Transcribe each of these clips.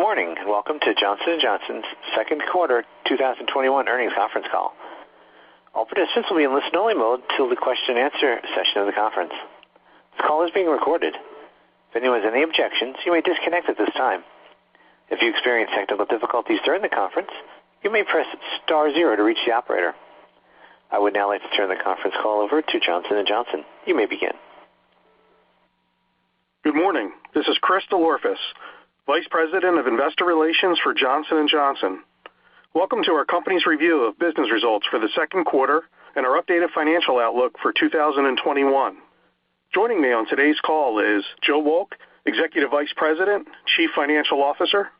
Good morning. Welcome to Johnson & Johnson's second quarter 2021 earnings conference call. I would now like to turn the conference call over to Johnson & Johnson. You may begin. Good morning. This is Chris DelOrefice, Vice President of Investor Relations for Johnson & Johnson. Welcome to our company's review of business results for the second quarter and our updated financial outlook for 2021. Joining me on today's call is Joe Wolk, Executive Vice President, Chief Financial Officer.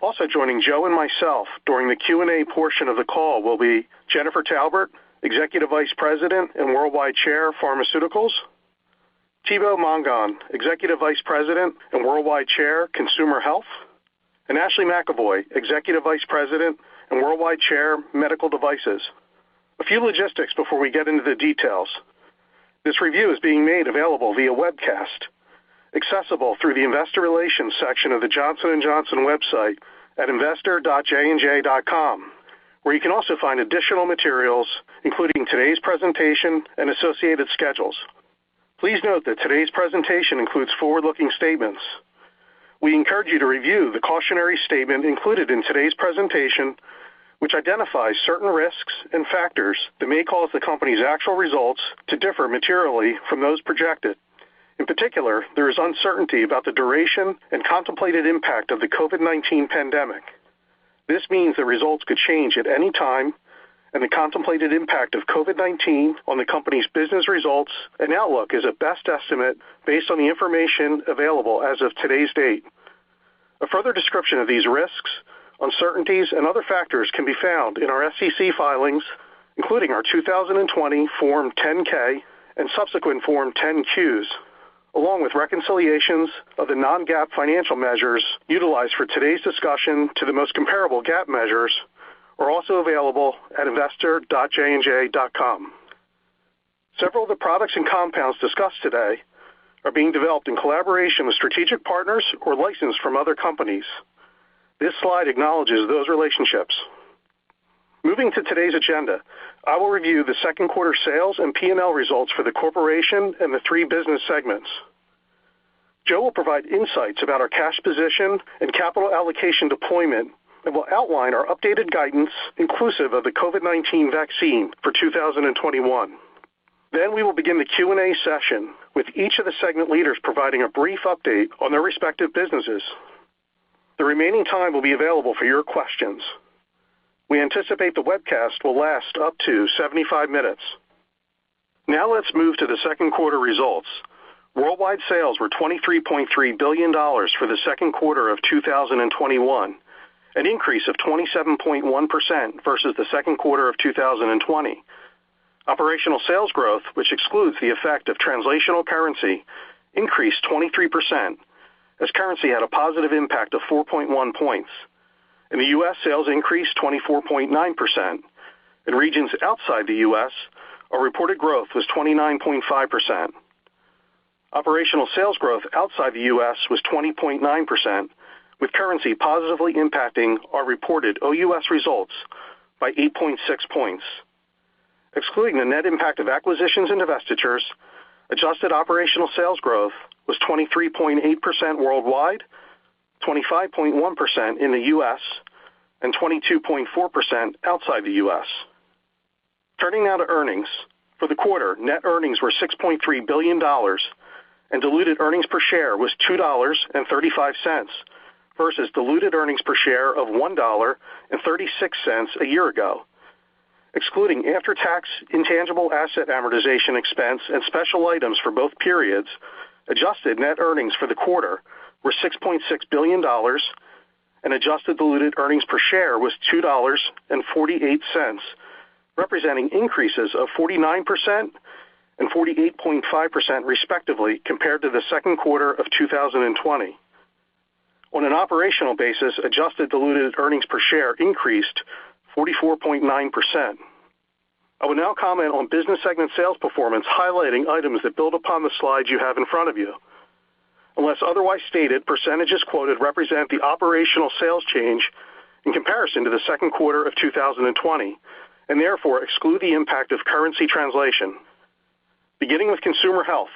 Also joining Joe and myself during the Q&A portion of the call will be Jennifer Taubert, Executive Vice President and Worldwide Chairman of Pharmaceuticals, Thibaut Mongon, Executive Vice President and Worldwide Chairman, Consumer Health, and Ashley McEvoy, Executive Vice President and Worldwide Chairman, Medical Devices. A few logistics before we get into the details. This review is being made available via webcast, accessible through the investor relations section of the Johnson & Johnson website at investor.jnj.com, where you can also find additional materials, including today's presentation and associated schedules. Please note that today's presentation includes forward-looking statements. We encourage you to review the cautionary statement included in today's presentation, which identifies certain risks and factors that may cause the company's actual results to differ materially from those projected. In particular, there is uncertainty about the duration and contemplated impact of the COVID-19 pandemic. This means the results could change at any time, and the contemplated impact of COVID-19 on the company's business results and outlook is a best estimate based on the information available as of today's date. A further description of these risks, uncertainties, and other factors can be found in our SEC filings, including our 2020 Form 10-K and subsequent Form 10-Qs, along with reconciliations of the non-GAAP financial measures utilized for today's discussion to the most comparable GAAP measures are also available at investor.jnj.com. Several of the products and compounds discussed today are being developed in collaboration with strategic partners or licensed from other companies. This slide acknowledges those relationships. Moving to today's agenda, I will review the second quarter sales and P&L results for the corporation and the three business segments. Joe will provide insights about our cash position and capital allocation deployment and will outline our updated guidance inclusive of the COVID-19 vaccine for 2021. We will begin the Q&A session with each of the segment leaders providing a brief update on their respective businesses. The remaining time will be available for your questions. We anticipate the webcast will last up to 75 minutes. Let's move to the second quarter results. Worldwide sales were $23.3 billion for the second quarter of 2021, an increase of 27.1% versus the second quarter of 2020. Operational sales growth, which excludes the effect of translational currency, increased 23% as currency had a positive impact of 4.1 points. In the U.S., sales increased 24.9%. In regions outside the U.S., our reported growth was 29.5%. Operational sales growth outside the U.S. was 20.9%, with currency positively impacting our reported OUS results by 8.6 points. Excluding the net impact of acquisitions and divestitures, adjusted operational sales growth was 23.8% worldwide, 25.1% in the U.S., and 22.4% outside the U.S. Turning now to earnings. For the quarter, net earnings were $6.3 billion and diluted earnings per share was $2.35 versus diluted earnings per share of $1.36 a year ago. Excluding after-tax intangible asset amortization expense and special items for both periods, adjusted net earnings for the quarter were $6.6 billion and adjusted diluted earnings per share was $2.48, representing increases of 49% and 48.5% respectively compared to the second quarter of 2020. On an operational basis, adjusted diluted earnings per share increased 44.9%. I will now comment on business segment sales performance, highlighting items that build upon the slides you have in front of you. Unless otherwise stated, percentages quoted represent the operational sales change in comparison to the second quarter of 2020, and therefore exclude the impact of currency translation. Beginning with Consumer Health,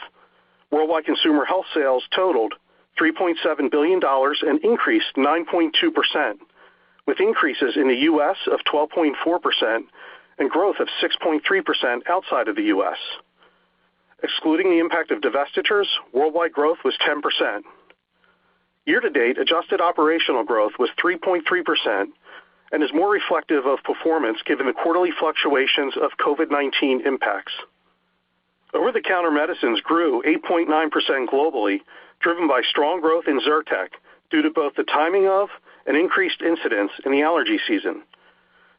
worldwide Consumer Health sales totaled $3.7 billion and increased 9.2%, with increases in the U.S. of 12.4% and growth of 6.3% outside of the U.S. Excluding the impact of divestitures, worldwide growth was 10%. Year to date, adjusted operational growth was 3.3% and is more reflective of performance given the quarterly fluctuations of COVID-19 impacts. Over-the-counter medicines grew 8.9% globally, driven by strong growth in Zyrtec due to both the timing of and increased incidence in the allergy season.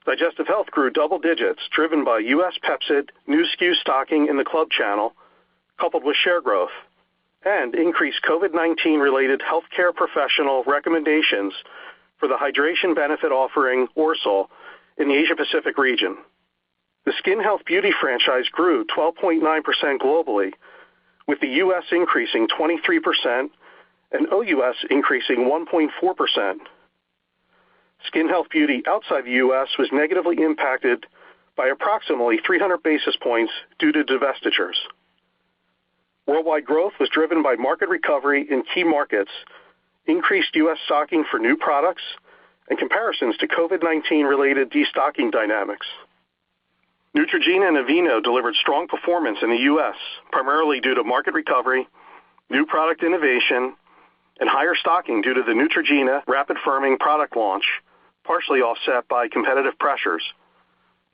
Digestive health grew double digits, driven by U.S. Pepcid, new SKU stocking in the club channel, coupled with share growth, and increased COVID-19 related healthcare professional recommendations for the hydration benefit offering ORSL in the Asia Pacific region. The Skin Health & Beauty franchise grew 12.9% globally, with the U.S. increasing 23% and OUS increasing 1.4%. Skin Health & Beauty outside the U.S. was negatively impacted by approximately 300 basis points due to divestitures. Worldwide growth was driven by market recovery in key markets, increased U.S. stocking for new products, and comparisons to COVID-19 related destocking dynamics. Neutrogena and Aveeno delivered strong performance in the U.S., primarily due to market recovery, new product innovation, and higher stocking due to the Neutrogena Rapid Firming product launch, partially offset by competitive pressures.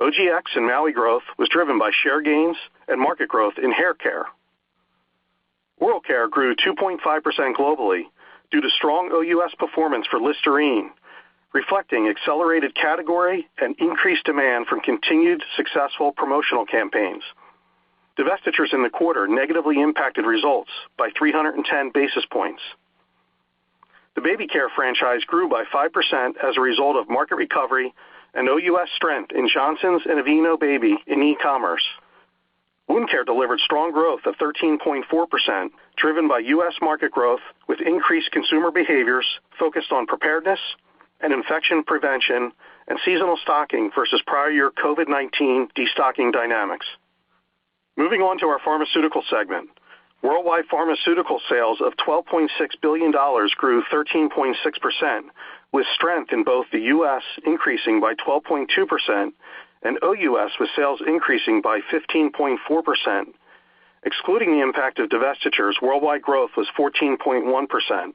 OGX and Maui growth was driven by share gains and market growth in hair care. Oral care grew 2.5% globally due to strong OUS performance for Listerine, reflecting accelerated category and increased demand from continued successful promotional campaigns. Divestitures in the quarter negatively impacted results by 310 basis points. The Baby Care franchise grew by 5% as a result of market recovery and OUS strength in Johnson's and Aveeno Baby in e-commerce. Wound care delivered strong growth of 13.4%, driven by U.S. market growth with increased consumer behaviors focused on preparedness and infection prevention, and seasonal stocking versus prior year COVID-19 destocking dynamics. Moving on to our Pharmaceutical segment. Worldwide pharmaceutical sales of $12.6 billion grew 13.6%, with strength in both the U.S. increasing by 12.2% and OUS, with sales increasing by 15.4%. Excluding the impact of divestitures, worldwide growth was 14.1%.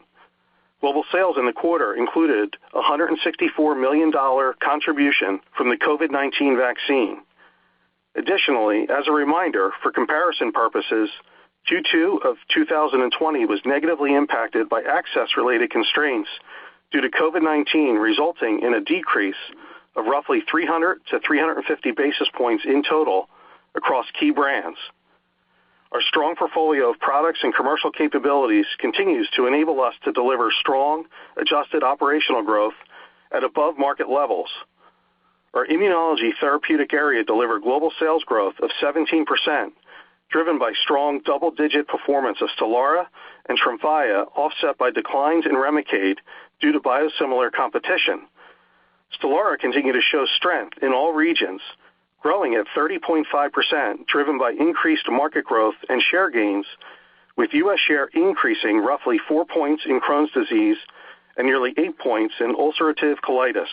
Global sales in the quarter included $164 million contribution from the COVID-19 vaccine. Additionally, as a reminder, for comparison purposes, Q2 2020 was negatively impacted by access-related constraints due to COVID-19, resulting in a decrease of roughly 300-350 basis points in total across key brands. Our strong portfolio of products and commercial capabilities continues to enable us to deliver strong adjusted operational growth at above market levels. Our immunology therapeutic area delivered global sales growth of 17%, driven by strong double-digit performance of STELARA and TREMFYA, offset by declines in REMICADE due to biosimilar competition. STELARA continued to show strength in all regions, growing at 30.5%, driven by increased market growth and share gains, with U.S. share increasing roughly 4 points in Crohn's disease and nearly 8 points in ulcerative colitis.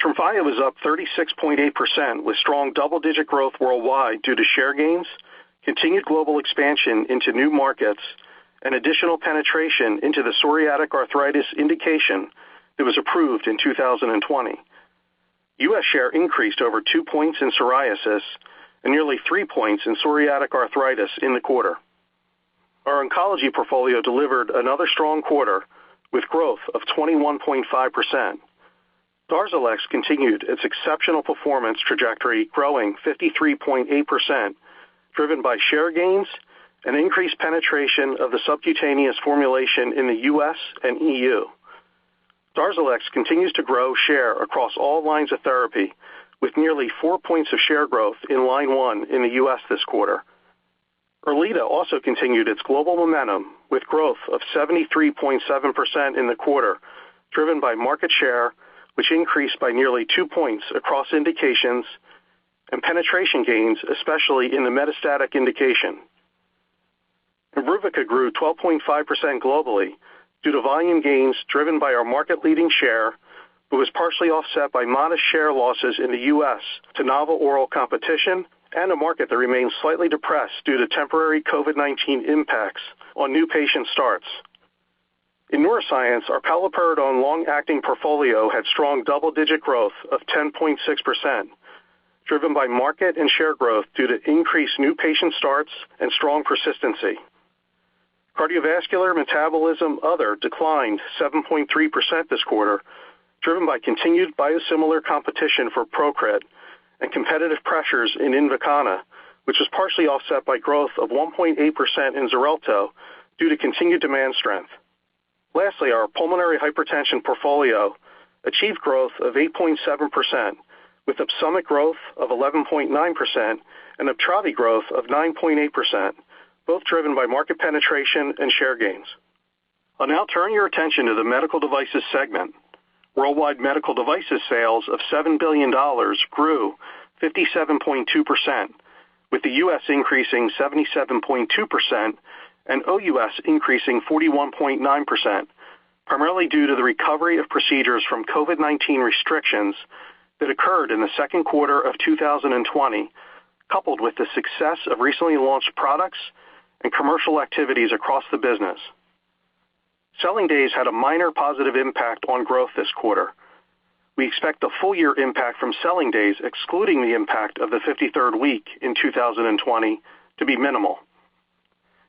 TREMFYA was up 36.8%, with strong double-digit growth worldwide due to share gains, continued global expansion into new markets, and additional penetration into the psoriatic arthritis indication that was approved in 2020. U.S. share increased over 2 points in psoriasis and nearly 3 points in psoriatic arthritis in the quarter. Our oncology portfolio delivered another strong quarter, with growth of 21.5%. DARZALEX continued its exceptional performance trajectory, growing 53.8%, driven by share gains and increased penetration of the subcutaneous formulation in the U.S. and E.U. DARZALEX continues to grow share across all lines of therapy, with nearly 4 points of share growth in line one in the U.S. this quarter. ERLEADA also continued its global momentum with growth of 73.7% in the quarter, driven by market share, which increased by nearly 2 points across indications and penetration gains, especially in the metastatic indication. IMBRUVICA grew 12.5% globally due to volume gains driven by our market-leading share, but was partially offset by modest share losses in the U.S. to novel oral competition and a market that remains slightly depressed due to temporary COVID-19 impacts on new patient starts. In neuroscience, our paliperidone long-acting portfolio had strong double-digit growth of 10.6%, driven by market and share growth due to increased new patient starts and strong persistency. Cardiovascular metabolism, other declined 7.3% this quarter, driven by continued biosimilar competition for PROCRIT and competitive pressures in INVOKANA, which was partially offset by growth of 1.8% in XARELTO due to continued demand strength. Lastly, our pulmonary hypertension portfolio achieved growth of 8.7%, with OPSUMIT growth of 11.9% and UPTRAVI growth of 9.8%, both driven by market penetration and share gains. I'll now turn your attention to the Medical Devices segment. Worldwide Medical Devices sales of $7 billion grew 57.2%, with the U.S. increasing 77.2% and OUS increasing 41.9%, primarily due to the recovery of procedures from COVID-19 restrictions that occurred in the second quarter of 2020, coupled with the success of recently launched products and commercial activities across the business. Selling days had a minor positive impact on growth this quarter. We expect the full-year impact from selling days, excluding the impact of the 53rd week in 2020, to be minimal.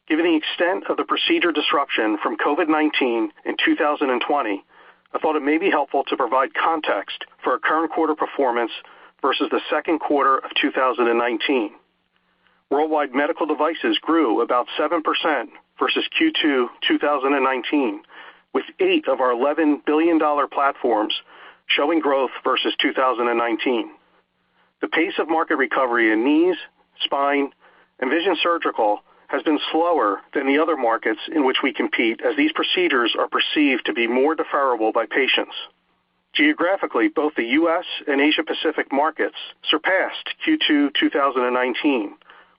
Given the extent of the procedure disruption from COVID-19 in 2020, I thought it may be helpful to provide context for our current quarter performance versus the second quarter of 2019. Worldwide medical devices grew about 7% versus Q2 2019, with 8 of our $11 billion platforms showing growth versus 2019. The pace of market recovery in knees, spine, and vision surgical has been slower than the other markets in which we compete, as these procedures are perceived to be more deferrable by patients. Geographically, both the U.S. and Asia Pacific markets surpassed Q2 2019,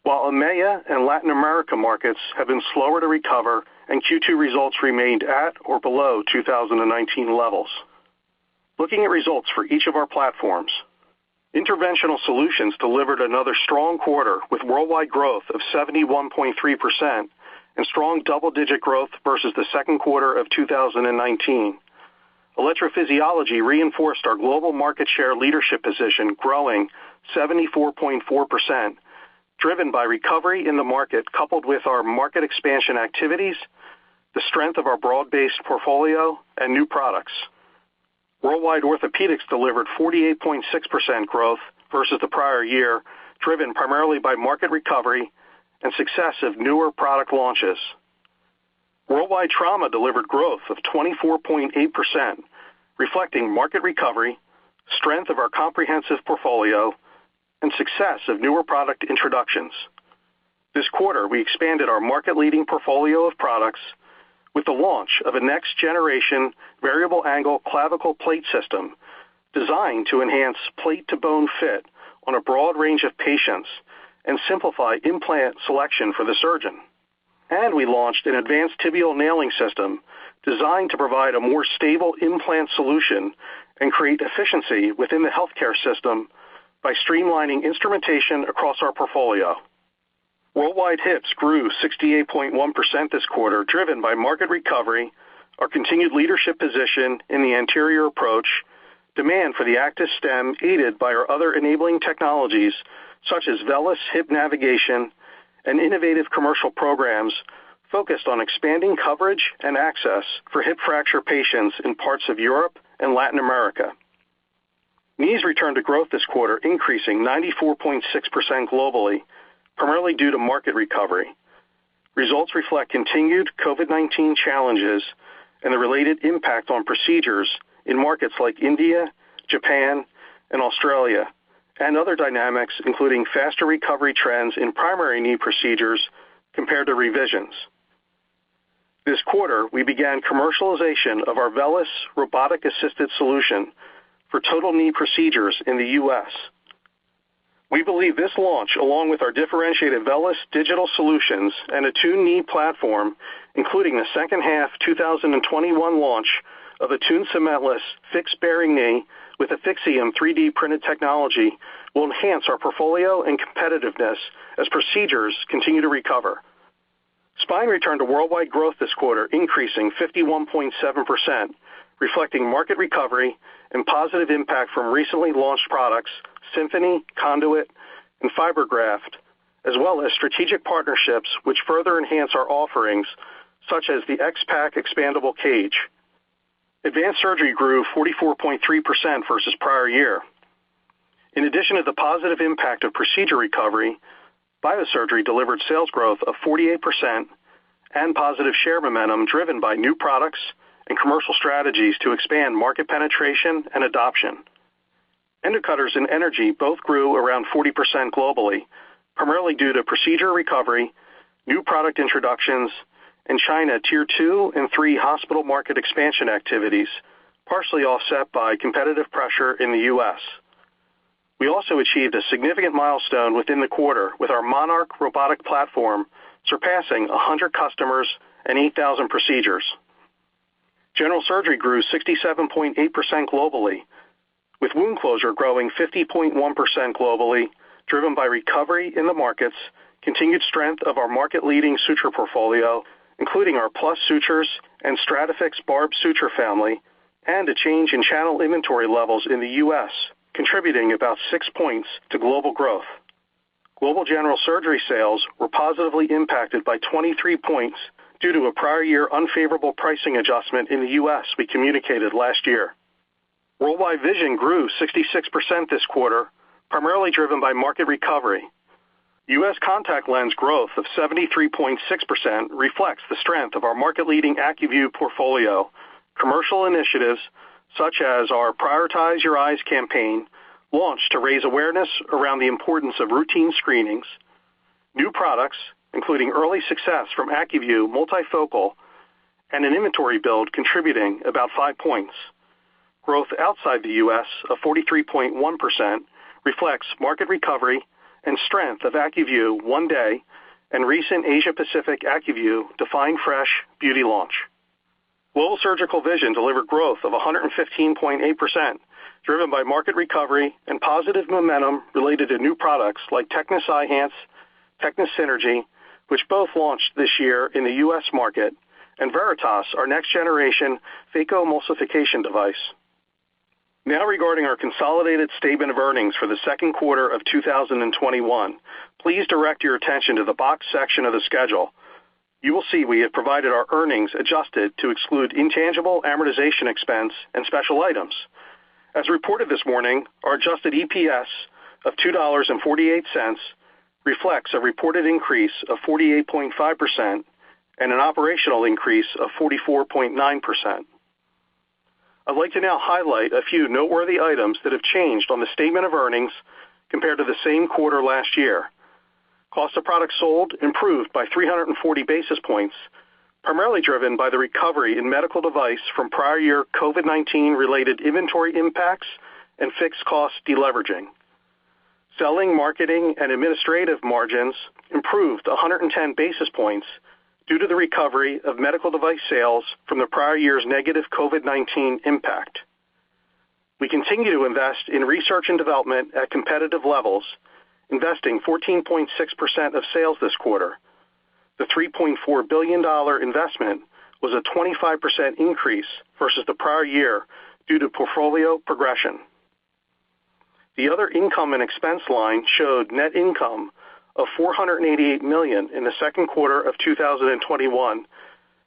while EMEA and Latin America markets have been slower to recover, and Q2 results remained at or below 2019 levels. Looking at results for each of our platforms, Interventional Solutions delivered another strong quarter with worldwide growth of 71.3% and strong double-digit growth versus the second quarter of 2019. Electrophysiology reinforced our global market share leadership position, growing 74.4%, driven by recovery in the market, coupled with our market expansion activities, the strength of our broad-based portfolio and new products. Worldwide orthopedics delivered 48.6% growth versus the prior year, driven primarily by market recovery and success of newer product launches. Worldwide trauma delivered growth of 24.8%, reflecting market recovery, strength of our comprehensive portfolio, and success of newer product introductions. This quarter, we expanded our market-leading portfolio of products with the launch of a next-generation variable angle clavicle plate system designed to enhance plate-to-bone fit on a broad range of patients and simplify implant selection for the surgeon. We launched an advanced tibial nailing system designed to provide a more stable implant solution and create efficiency within the healthcare system by streamlining instrumentation across our portfolio. Worldwide hips grew 68.1% this quarter, driven by market recovery, our continued leadership position in the anterior approach, demand for the ACTIS stem, aided by our other enabling technologies such as VELYS hip navigation and innovative commercial programs focused on expanding coverage and access for hip fracture patients in parts of Europe and Latin America. Knees returned to growth this quarter, increasing 94.6% globally, primarily due to market recovery. Results reflect continued COVID-19 challenges and the related impact on procedures in markets like India, Japan, and Australia, and other dynamics, including faster recovery trends in primary knee procedures compared to revisions. This quarter, we began commercialization of our VELYS robotic-assisted solution for total knee procedures in the U.S. We believe this launch, along with our differentiated VELYS digital solutions and ATTUNE knee platform, including the second half 2021 launch of ATTUNE cementless fixed-bearing knee with the AFFIXIUM 3D printed technology, will enhance our portfolio and competitiveness as procedures continue to recover. Spine returned to worldwide growth this quarter, increasing 51.7%, reflecting market recovery and positive impact from recently launched products SYMPHONY, CONDUIT, and FIBERGRAFT, as well as strategic partnerships which further enhance our offerings, such as the X-Pac expandable cage. Advanced surgery grew 44.3% versus prior year. In addition to the positive impact of procedure recovery, biosurgery delivered sales growth of 48% and positive share momentum driven by new products and commercial strategies to expand market penetration and adoption. Endocutters and energy both grew around 40% globally, primarily due to procedure recovery, new product introductions in China, tier 2 and 3 hospital market expansion activities, partially offset by competitive pressure in the U.S. We also achieved a significant milestone within the quarter, with our Monarch robotic platform surpassing 100 customers and 8,000 procedures. General surgery grew 67.8% globally, with wound closure growing 50.1% globally, driven by recovery in the markets, continued strength of our market-leading suture portfolio, including our PLUS sutures and STRATAFIX barbed suture family, and a change in channel inventory levels in the U.S., contributing about 6 points to global growth. Global general surgery sales were positively impacted by 23 points due to a prior year unfavorable pricing adjustment in the U.S. we communicated last year. Worldwide vision grew 66% this quarter, primarily driven by market recovery. U.S. contact lens growth of 73.6% reflects the strength of our market-leading ACUVUE portfolio commercial initiatives, such as our Prioritize Your Eyes campaign, launched to raise awareness around the importance of routine screenings, new products, including early success from ACUVUE Multifocal, and an inventory build contributing about 5 points. Growth outside the U.S. of 43.1% reflects market recovery and strength of ACUVUE 1-DAY and recent Asia Pacific ACUVUE DEFINE FRESH beauty launch. Global surgical vision delivered growth of 115.8%, driven by market recovery and positive momentum related to new products like TECNIS Eyhance, TECNIS Synergy, which both launched this year in the U.S. market, and VERITAS, our next-generation phacoemulsification device. Now, regarding our consolidated statement of earnings for the second quarter of 2021, please direct your attention to the box section of the schedule. You will see we have provided our earnings adjusted to exclude intangible amortization expense and special items. As reported this morning, our adjusted EPS of $2.48 reflects a reported increase of 48.5% and an operational increase of 44.9%. I'd like to now highlight a few noteworthy items that have changed on the statement of earnings compared to the same quarter last year. Cost of products sold improved by 340 basis points, primarily driven by the recovery in MedTech from prior year COVID-19 related inventory impacts and fixed cost deleveraging. Selling, marketing, and administrative margins improved 110 basis points due to the recovery of MedTech sales from the prior year's negative COVID-19 impact. We continue to invest in research and development at competitive levels, investing 14.6% of sales this quarter. The $3.4 billion investment was a 25% increase versus the prior year due to portfolio progression. The other income and expense line showed net income of $488 million in the second quarter of 2021,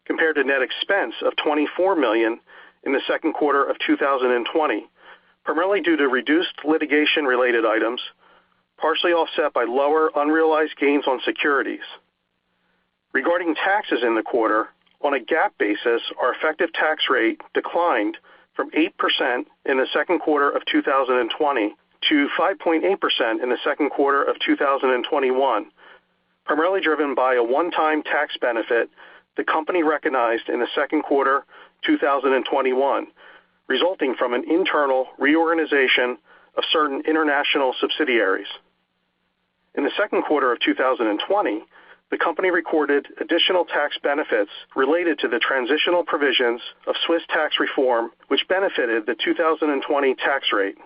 compared to net expense of $24 million in the second quarter of 2020, primarily due to reduced litigation-related items, partially offset by lower unrealized gains on securities. Regarding taxes in the quarter, on a GAAP basis, our effective tax rate declined from 8% in the second quarter of 2020 to 5.8% in the second quarter of 2021, primarily driven by a one-time tax benefit the company recognized in the second quarter 2021, resulting from an internal reorganization of certain international subsidiaries. In the second quarter of 2020, the company recorded additional tax benefits related to the transitional provisions of Swiss tax reform, which benefited the 2020 tax rate.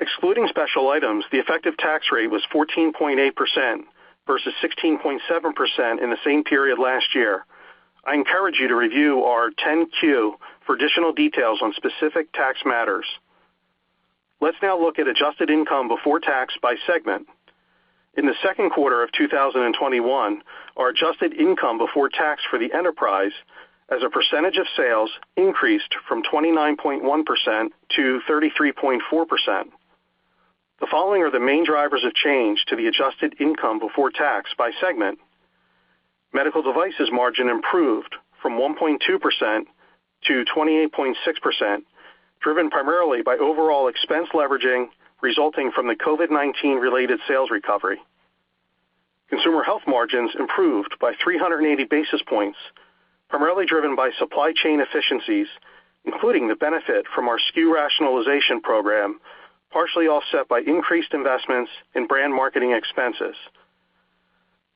Excluding special items, the effective tax rate was 14.8% versus 16.7% in the same period last year. I encourage you to review our 10-Q for additional details on specific tax matters. Let's now look at adjusted income before tax by segment. In the second quarter of 2021, our adjusted income before tax for the enterprise as a percentage of sales increased from 29.1% to 33.4%. The following are the main drivers of change to the adjusted income before tax by segment. Medical Devices margin improved from 1.2% to 28.6%, driven primarily by overall expense leveraging resulting from the COVID-19 related sales recovery. Consumer Health margins improved by 380 basis points, primarily driven by supply chain efficiencies, including the benefit from our SKU rationalization program, partially offset by increased investments in brand marketing expenses.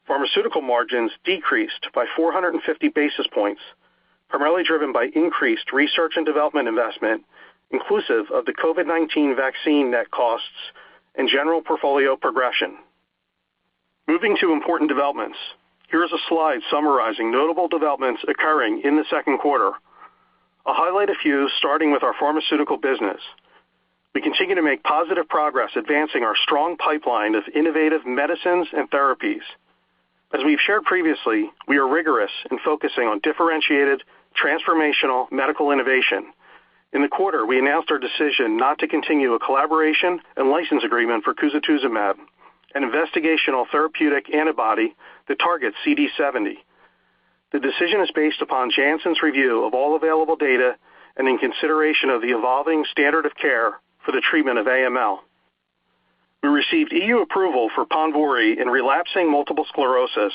Pharmaceuticals margins decreased by 450 basis points, primarily driven by increased research and development investment, inclusive of the COVID-19 vaccine net costs and general portfolio progression. Moving to important developments. Here is a slide summarizing notable developments occurring in the second quarter. I'll highlight a few starting with our pharmaceutical business. We continue to make positive progress advancing our strong pipeline of innovative medicines and therapies. As we've shared previously, we are rigorous in focusing on differentiated transformational medical innovation. In the quarter, we announced our decision not to continue a collaboration and license agreement for cusatuzumab, an investigational therapeutic antibody that targets CD70. The decision is based upon Janssen's review of all available data and in consideration of the evolving standard of care for the treatment of AML. We received EU approval for PONVORY in relapsing multiple sclerosis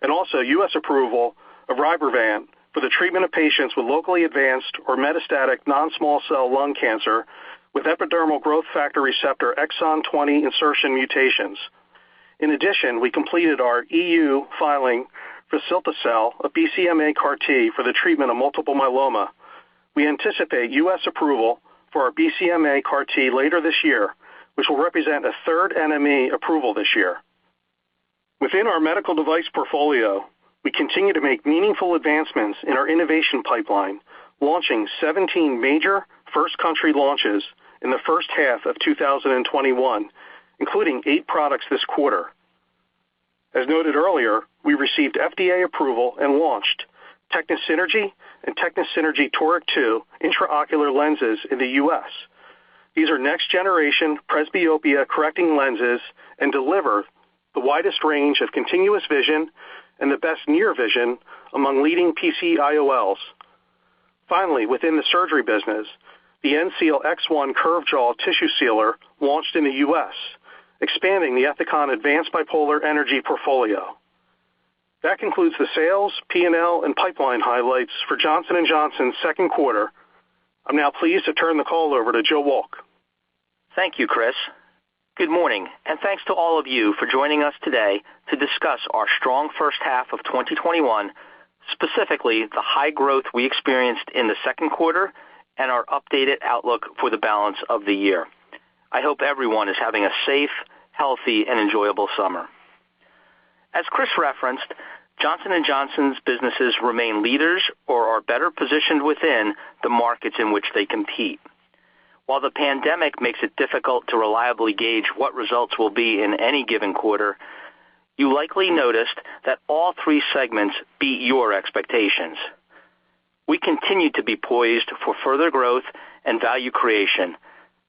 and also U.S. approval of RYBREVANT for the treatment of patients with locally advanced or metastatic non-small cell lung cancer with epidermal growth factor receptor exon 20 insertion mutations. In addition, we completed our EU filing for cilta-cel, a BCMA CAR T for the treatment of multiple myeloma. We anticipate U.S. approval for our BCMA CAR T later this year, which will represent a third NME approval this year. Within our MedTech portfolio, we continue to make meaningful advancements in our innovation pipeline, launching 17 major first country launches in the first half of 2021, including eight products this quarter. As noted earlier, we received FDA approval and launched TECNIS Synergy and TECNIS Synergy Toric II intraocular lenses in the U.S. These are next generation presbyopia correcting lenses and deliver the widest range of continuous vision and the best near vision among leading PC IOLs. Finally, within the surgery business, the ENSEAL X1 Curved Jaw Tissue Sealer launched in the U.S., expanding the Ethicon advanced bipolar energy portfolio. That concludes the sales, P&L, and pipeline highlights for Johnson & Johnson's second quarter. I'm now pleased to turn the call over to Joe Wolk. Thank you, Chris. Good morning, and thanks to all of you for joining us today to discuss our strong first half of 2021, specifically the high growth we experienced in the second quarter and our updated outlook for the balance of the year. I hope everyone is having a safe, healthy, and enjoyable summer. As Chris referenced, Johnson & Johnson's businesses remain leaders or are better positioned within the markets in which they compete. While the pandemic makes it difficult to reliably gauge what results will be in any given quarter. You likely noticed that all three segments beat your expectations. We continue to be poised for further growth and value creation,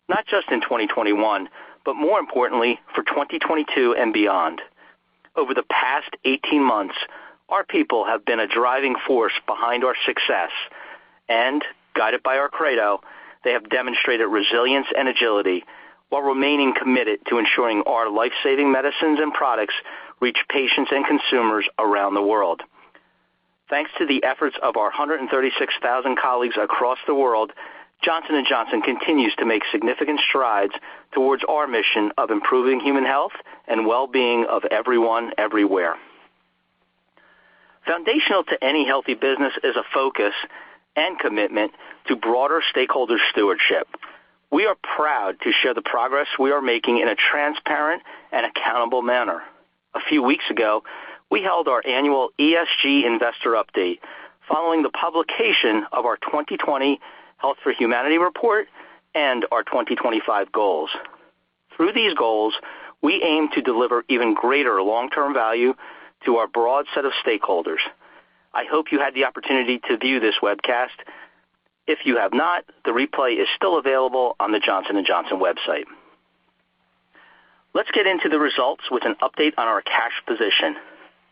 not just in 2021, but more importantly, for 2022 and beyond. Over the past 18 months, our people have been a driving force behind our success and, guided by our credo, they have demonstrated resilience and agility while remaining committed to ensuring our life-saving medicines and products reach patients and consumers around the world. Thanks to the efforts of our 136,000 colleagues across the world, Johnson & Johnson continues to make significant strides towards our mission of improving human health and well-being of everyone, everywhere. Foundational to any healthy business is a focus and commitment to broader stakeholder stewardship. We are proud to share the progress we are making in a transparent and accountable manner. A few weeks ago, we held our annual ESG investor update following the publication of our 2020 Health for Humanity report and our 2025 goals. Through these goals, we aim to deliver even greater long-term value to our broad set of stakeholders. I hope you had the opportunity to view this webcast. If you have not, the replay is still available on the Johnson & Johnson website. Let's get into the results with an update on our cash position.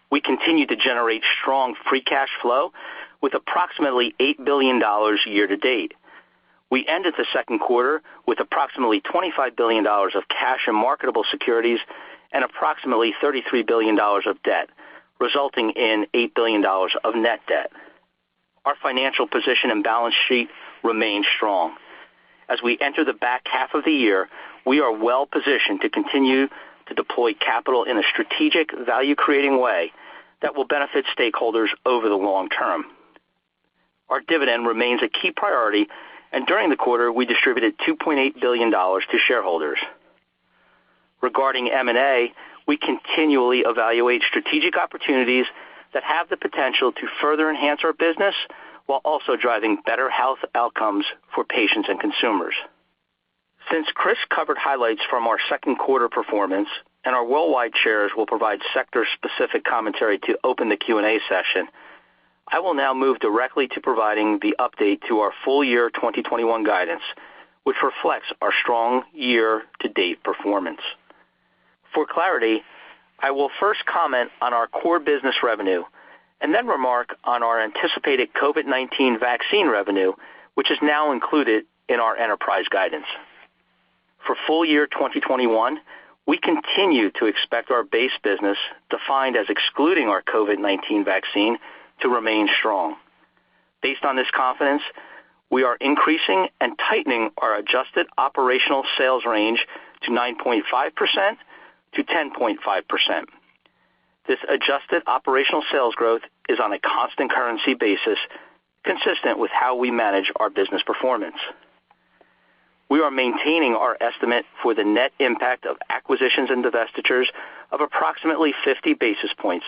We continue to generate strong free cash flow with approximately $8 billion year-to-date. We ended the second quarter with approximately $25 billion of cash and marketable securities and approximately $33 billion of debt, resulting in $8 billion of net debt. Our financial position and balance sheet remain strong. As we enter the back half of the year, we are well positioned to continue to deploy capital in a strategic, value-creating way that will benefit stakeholders over the long term. Our dividend remains a key priority, and during the quarter, we distributed $2.8 billion to shareholders. Regarding M&A, we continually evaluate strategic opportunities that have the potential to further enhance our business while also driving better health outcomes for patients and consumers. Since Chris covered highlights from our second quarter performance and our worldwide chairs will provide sector-specific commentary to open the Q&A session, I will now move directly to providing the update to our full year 2021 guidance, which reflects our strong year-to-date performance. For clarity, I will first comment on our core business revenue and then remark on our anticipated COVID-19 vaccine revenue, which is now included in our enterprise guidance. For full year 2021, we continue to expect our base business, defined as excluding our COVID-19 vaccine, to remain strong. Based on this confidence, we are increasing and tightening our adjusted operational sales range to 9.5%-10.5%. This adjusted operational sales growth is on a constant currency basis, consistent with how we manage our business performance. We are maintaining our estimate for the net impact of acquisitions and divestitures of approximately 50 basis points,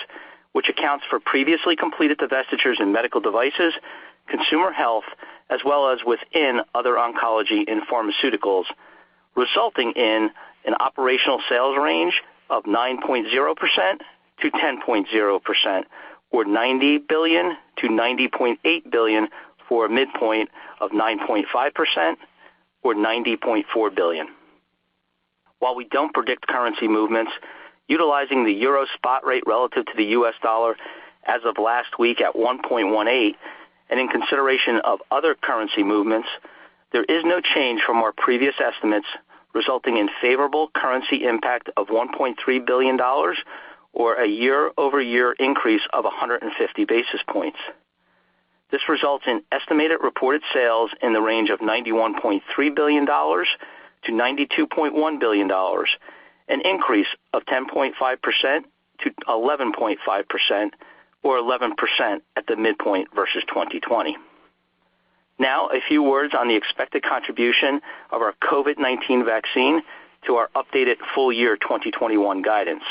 which accounts for previously completed divestitures in MedTech, Consumer Health, as well as within other oncology and Pharmaceuticals, resulting in an operational sales range of 9.0%-10.0%, or $90 billion to $90.8 billion for a midpoint of 9.5%, or $90.4 billion. While we don't predict currency movements, utilizing the euro spot rate relative to the US dollar as of last week at 1.18, and in consideration of other currency movements, there is no change from our previous estimates, resulting in favorable currency impact of $1.3 billion, or a year-over-year increase of 150 basis points. This results in estimated reported sales in the range of $91.3 billion-$92.1 billion, an increase of 10.5%-11.5%, or 11% at the midpoint versus 2020. Now, a few words on the expected contribution of our COVID-19 vaccine to our updated full year 2021 guidance.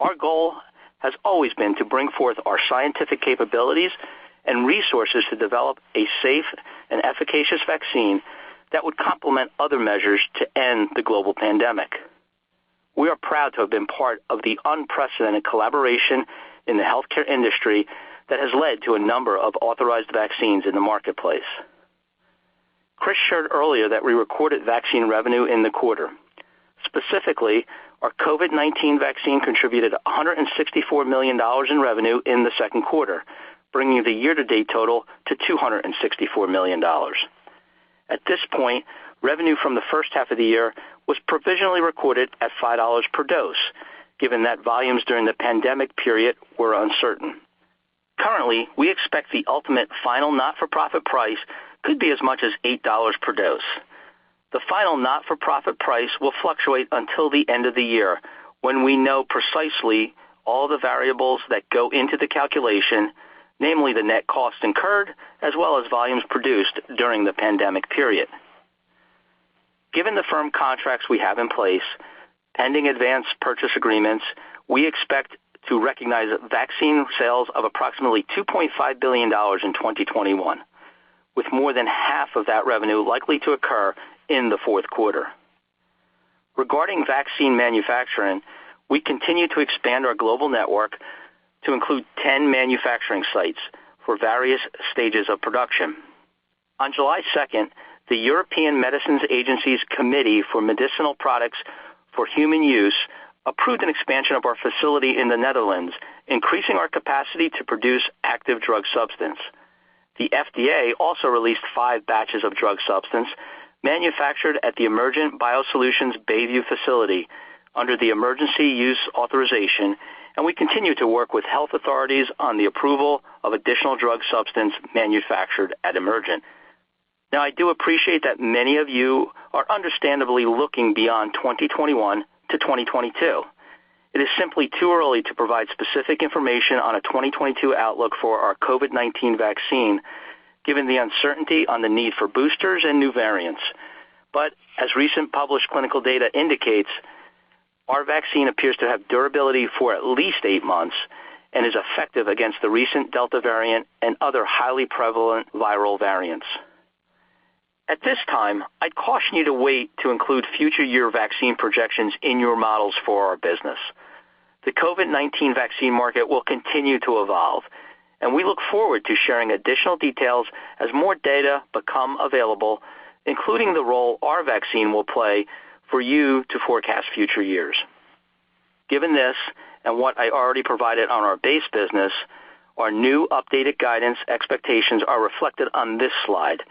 Our goal has always been to bring forth our scientific capabilities and resources to develop a safe and efficacious vaccine that would complement other measures to end the global pandemic. We are proud to have been part of the unprecedented collaboration in the healthcare industry that has led to a number of authorized vaccines in the marketplace. Chris shared earlier that we recorded vaccine revenue in the quarter. Specifically, our COVID-19 vaccine contributed $164 million in revenue in the Q2, bringing the year-to-date total to $264 million. At this point, revenue from the first half of the year was provisionally recorded at $5 per dose, given that volumes during the pandemic period were uncertain. Currently, we expect the ultimate final not-for-profit price could be as much as $8 per dose. The final not-for-profit price will fluctuate until the end of the year, when we know precisely all the variables that go into the calculation, namely the net cost incurred, as well as volumes produced during the pandemic period. Given the firm contracts we have in place, pending advanced purchase agreements, we expect to recognize vaccine sales of approximately $2.5 billion in 2021. With more than half of that revenue likely to occur in the fourth quarter. Regarding vaccine manufacturing, we continue to expand our global network to include 10 manufacturing sites for various stages of production. On July 2nd, the European Medicines Agency's Committee for Medicinal Products for Human Use approved an expansion of our facility in the Netherlands, increasing our capacity to produce active drug substance. The FDA also released 5 batches of drug substance manufactured at the Emergent BioSolutions Bayview facility under the Emergency Use Authorization, and we continue to work with health authorities on the approval of additional drug substance manufactured at Emergent. I do appreciate that many of you are understandably looking beyond 2021 to 2022. It is simply too early to provide specific information on a 2022 outlook for our COVID-19 vaccine, given the uncertainty on the need for boosters and new variants. As recent published clinical data indicates, our vaccine appears to have durability for at least 8 months and is effective against the recent delta variant and other highly prevalent viral variants. At this time, I'd caution you to wait to include future year vaccine projections in your models for our business. The COVID-19 vaccine market will continue to evolve, and we look forward to sharing additional details as more data become available, including the role our vaccine will play for you to forecast future years. Given this, and what I already provided on our base business, our new updated guidance expectations are reflected on this slide,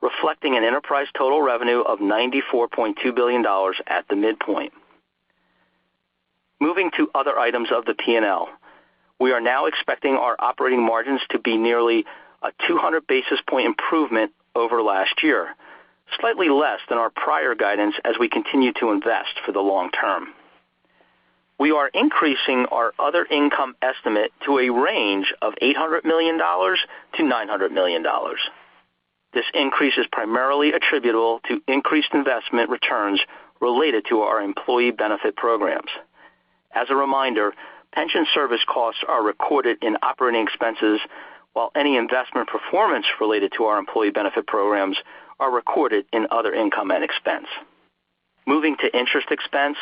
reflecting an enterprise total revenue of $94.2 billion at the midpoint. Moving to other items of the P&L. We are now expecting our operating margins to be nearly a 200-basis point improvement over last year, slightly less than our prior guidance, as we continue to invest for the long term. We are increasing our other income estimate to a range of $800 million-$900 million. This increase is primarily attributable to increased investment returns related to our employee benefit programs. As a reminder, pension service costs are recorded in operating expenses, while any investment performance related to our employee benefit programs are recorded in other income and expense. Moving to interest expense.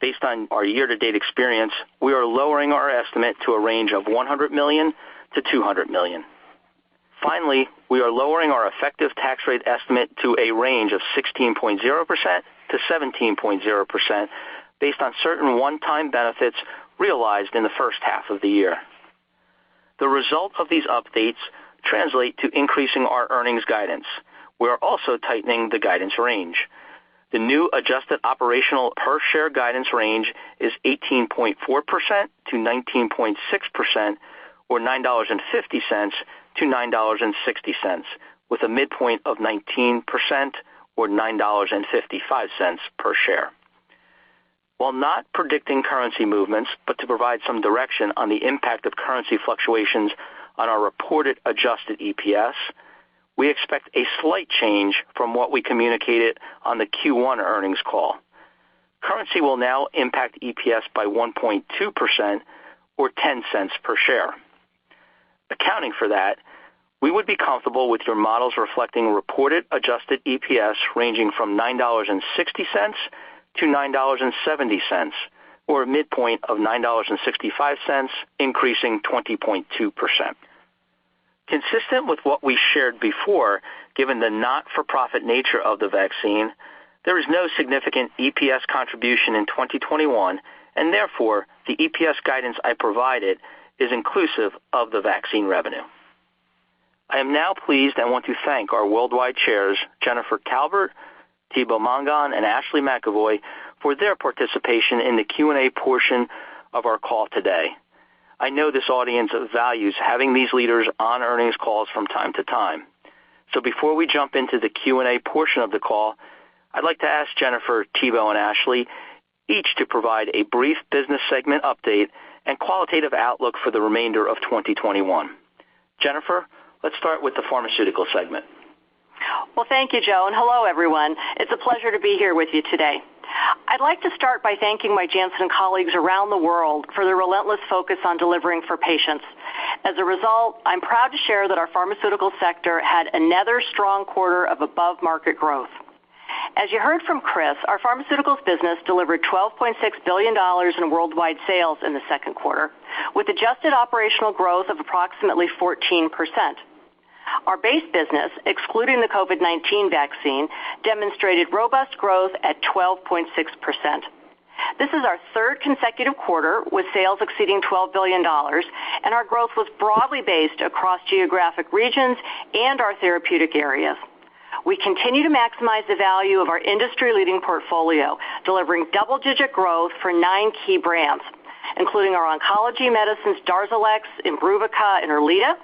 Based on our year-to-date experience, we are lowering our estimate to a range of $100 million-$200 million. Finally, we are lowering our effective tax rate estimate to a range of 16.0%-17.0%, based on certain one-time benefits realized in the first half of the year. The result of these updates translate to increasing our earnings guidance. We are also tightening the guidance range. The new adjusted operational per share guidance range is 18.4%-19.6%, or $9.50-$9.60, with a midpoint of 19% or $9.55 per share. While not predicting currency movements, to provide some direction on the impact of currency fluctuations on our reported adjusted EPS, we expect a slight change from what we communicated on the Q1 earnings call. Currency will now impact EPS by 1.2% or $0.10 per share. Accounting for that, we would be comfortable with your models reflecting reported adjusted EPS ranging from $9.60-$9.70, or a midpoint of $9.65, increasing 20.2%. Consistent with what we shared before, given the not-for-profit nature of the vaccine, there is no significant EPS contribution in 2021, and therefore, the EPS guidance I provided is inclusive of the vaccine revenue. I am now pleased and want to thank our worldwide chairs, Jennifer Taubert, Thibaut Mongon, and Ashley McEvoy for their participation in the Q&A portion of our call today. I know this audience values having these leaders on earnings calls from time to time. Before we jump into the Q&A portion of the call, I'd like to ask Jennifer, Thibaut, and Ashley each to provide a brief business segment update and qualitative outlook for the remainder of 2021. Jennifer, let's start with the pharmaceutical segment. Well, thank you, Joe, and hello, everyone. It's a pleasure to be here with you today. I'd like to start by thanking my Janssen colleagues around the world for their relentless focus on delivering for patients. As a result, I'm proud to share that our Pharmaceuticals sector had another strong quarter of above-market growth. As you heard from Chris, our Pharmaceuticals business delivered $12.6 billion in worldwide sales in the second quarter, with adjusted operational growth of approximately 14%. Our base business, excluding the COVID-19 vaccine, demonstrated robust growth at 12.6%. This is our third consecutive quarter with sales exceeding $12 billion, and our growth was broadly based across geographic regions and our therapeutic areas. We continue to maximize the value of our industry-leading portfolio, delivering double-digit growth for nine key brands, including our oncology medicines, DARZALEX, IMBRUVICA, and ERLEADA,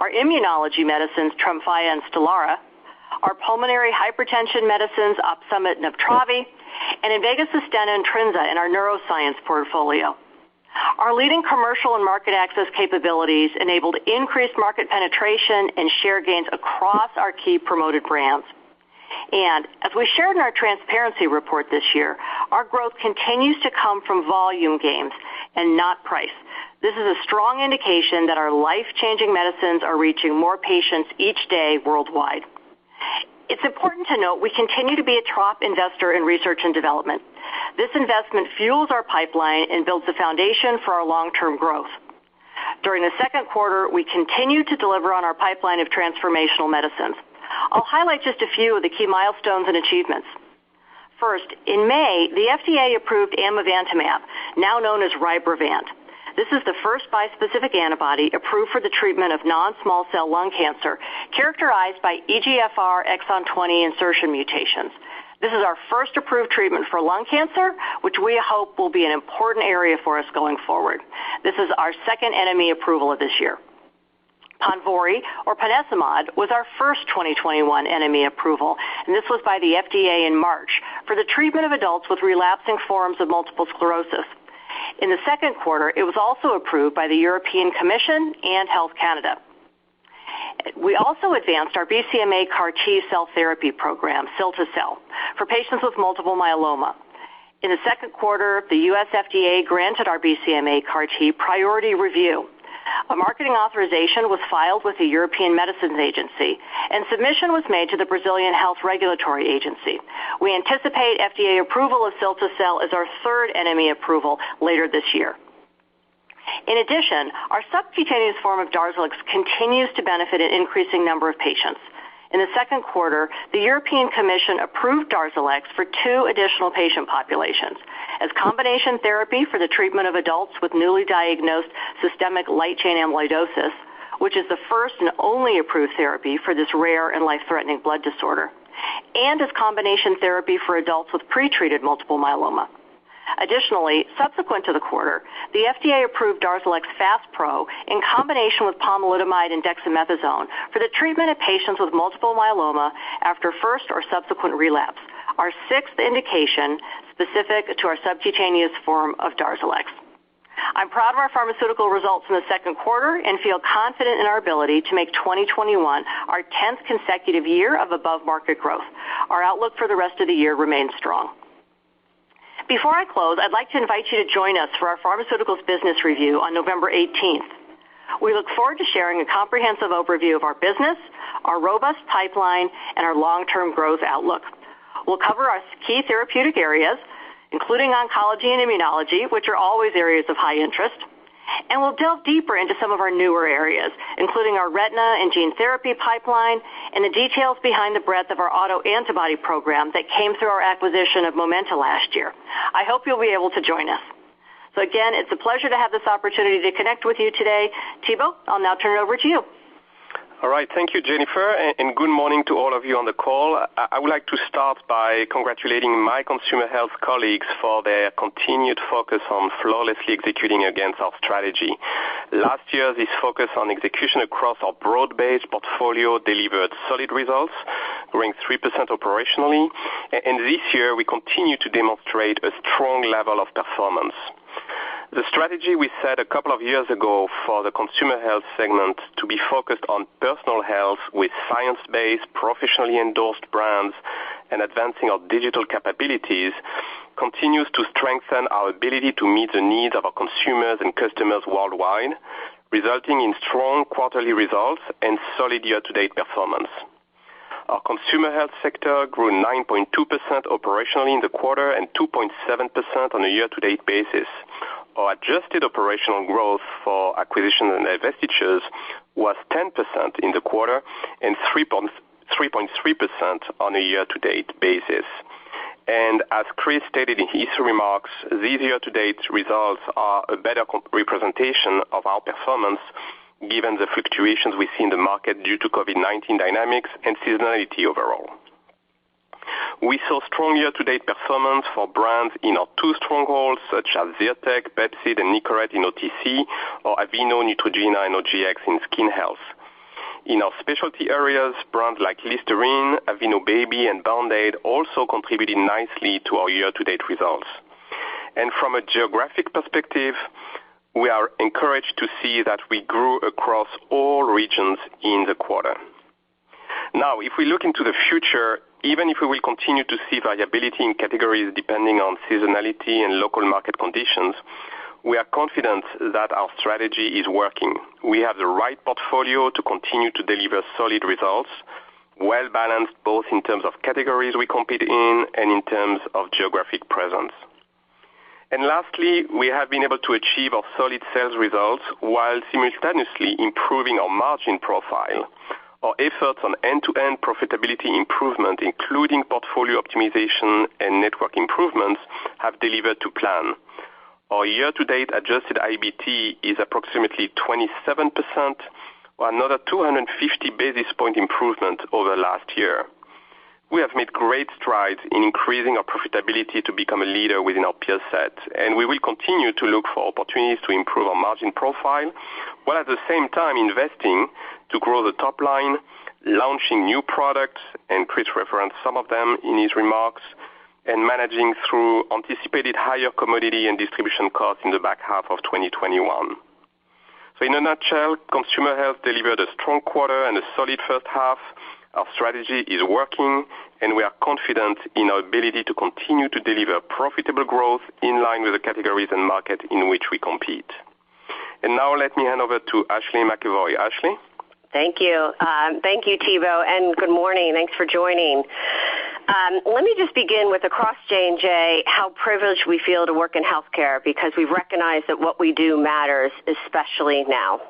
our immunology medicines, TREMFYA and STELARA, our pulmonary hypertension medicines, OPSUMIT and UPTRAVI, and INVEGA SUSTENNA and TRINZA in our neuroscience portfolio. Our leading commercial and market access capabilities enabled increased market penetration and share gains across our key promoted brands. As we shared in our transparency report this year, our growth continues to come from volume gains and not price. This is a strong indication that our life-changing medicines are reaching more patients each day worldwide. It's important to note we continue to be a top investor in research and development. This investment fuels our pipeline and builds the foundation for our long-term growth. During the second quarter, we continued to deliver on our pipeline of transformational medicines. In May, the FDA approved amivantamab, now known as RYBREVANT. This is the first bispecific antibody approved for the treatment of non-small cell lung cancer characterized by EGFR exon 20 insertion mutations. This is our first approved treatment for lung cancer, which we hope will be an important area for us going forward. This is our second NME approval of this year. PONVORY, or ponesimod, was our first 2021 NME approval, this was by the FDA in March for the treatment of adults with relapsing forms of multiple sclerosis. In the second quarter, it was also approved by the European Commission and Health Canada. We also advanced our BCMA CAR T cell therapy program, cilta-cel, for patients with multiple myeloma. In the second quarter, the U.S. FDA granted our BCMA CAR T priority review. A marketing authorization was filed with the European Medicines Agency, and submission was made to the Brazilian Health Regulatory Agency. We anticipate FDA approval of cilta-cel as our third NME approval later this year. In addition, our subcutaneous form of DARZALEX continues to benefit an increasing number of patients. In the second quarter, the European Commission approved DARZALEX for 2 additional patient populations, as combination therapy for the treatment of adults with newly diagnosed systemic light chain amyloidosis, which is the first and only approved therapy for this rare and life-threatening blood disorder, and as combination therapy for adults with pretreated multiple myeloma. Additionally, subsequent to the quarter, the FDA approved DARZALEX FASPRO in combination with pomalidomide and dexamethasone for the treatment of patients with multiple myeloma after first or subsequent relapse, our sixth indication specific to our subcutaneous form of DARZALEX. I'm proud of our pharmaceutical results in the second quarter and feel confident in our ability to make 2021 our tenth consecutive year of above-market growth. Our outlook for the rest of the year remains strong. Before I close, I'd like to invite you to join us for our pharmaceuticals business review on November 18th. We look forward to sharing a comprehensive overview of our business, our robust pipeline, and our long-term growth outlook. We'll cover our key therapeutic areas, including oncology and immunology, which are always areas of high interest, and we'll delve deeper into some of our newer areas, including our retina and gene therapy pipeline, and the details behind the breadth of our autoantibody program that came through our acquisition of Momenta last year. I hope you'll be able to join us. Again, it's a pleasure to have this opportunity to connect with you today. Thibaut, I'll now turn it over to you. All right. Thank you, Jennifer. Good morning to all of you on the call. I would like to start by congratulating my Consumer Health colleagues for their continued focus on flawlessly executing against our strategy. Last year, this focus on execution across our broad-based portfolio delivered solid results, growing 3% operationally. This year, we continue to demonstrate a strong level of performance. The strategy we set a couple of years ago for the Consumer Health segment to be focused on personal health with science-based, professionally endorsed brands and advancing our digital capabilities continues to strengthen our ability to meet the needs of our consumers and customers worldwide, resulting in strong quarterly results and solid year-to-date performance. Our Consumer Health sector grew 9.2% operationally in the quarter and 2.7% on a year-to-date basis. Our adjusted operational growth for acquisitions and divestitures was 10% in the quarter and 3.3% on a year-to-date basis. As Chris stated in his remarks, these year-to-date results are a better representation of our performance given the fluctuations we see in the market due to COVID-19 dynamics and seasonality overall. We saw strong year-to-date performance for brands in our two strongholds, such as Zyrtec, Pepcid, and Nicorette in OTC, or Aveeno, Neutrogena, and OGX in skin health. In our specialty areas, brands like Listerine, Aveeno Baby, and Band-Aid also contributed nicely to our year-to-date results. From a geographic perspective, we are encouraged to see that we grew across all regions in the quarter. Now, if we look into the future, even if we will continue to see variability in categories depending on seasonality and local market conditions, we are confident that our strategy is working. We have the right portfolio to continue to deliver solid results, well-balanced both in terms of categories we compete in and in terms of geographic presence. Lastly, we have been able to achieve our solid sales results while simultaneously improving our margin profile. Our efforts on end-to-end profitability improvement, including portfolio optimization and network improvements, have delivered to plan. Our year-to-date adjusted IBT is approximately 27%, or another 250 basis point improvement over last year. We have made great strides in increasing our profitability to become a leader within our peer set, and we will continue to look for opportunities to improve our margin profile, while at the same time investing to grow the top line, launching new products, and Chris referenced some of them in his remarks, and managing through anticipated higher commodity and distribution costs in the back half of 2021. In a nutshell, Consumer Health delivered a strong quarter and a solid first half. Our strategy is working, and we are confident in our ability to continue to deliver profitable growth in line with the categories and market in which we compete. Now let me hand over to Ashley McEvoy. Ashley? Thank you. Thank you, Thibaut, good morning. Thanks for joining. Let me just begin with across J&J, how privileged we feel to work in healthcare because we recognize that what we do matters, especially now.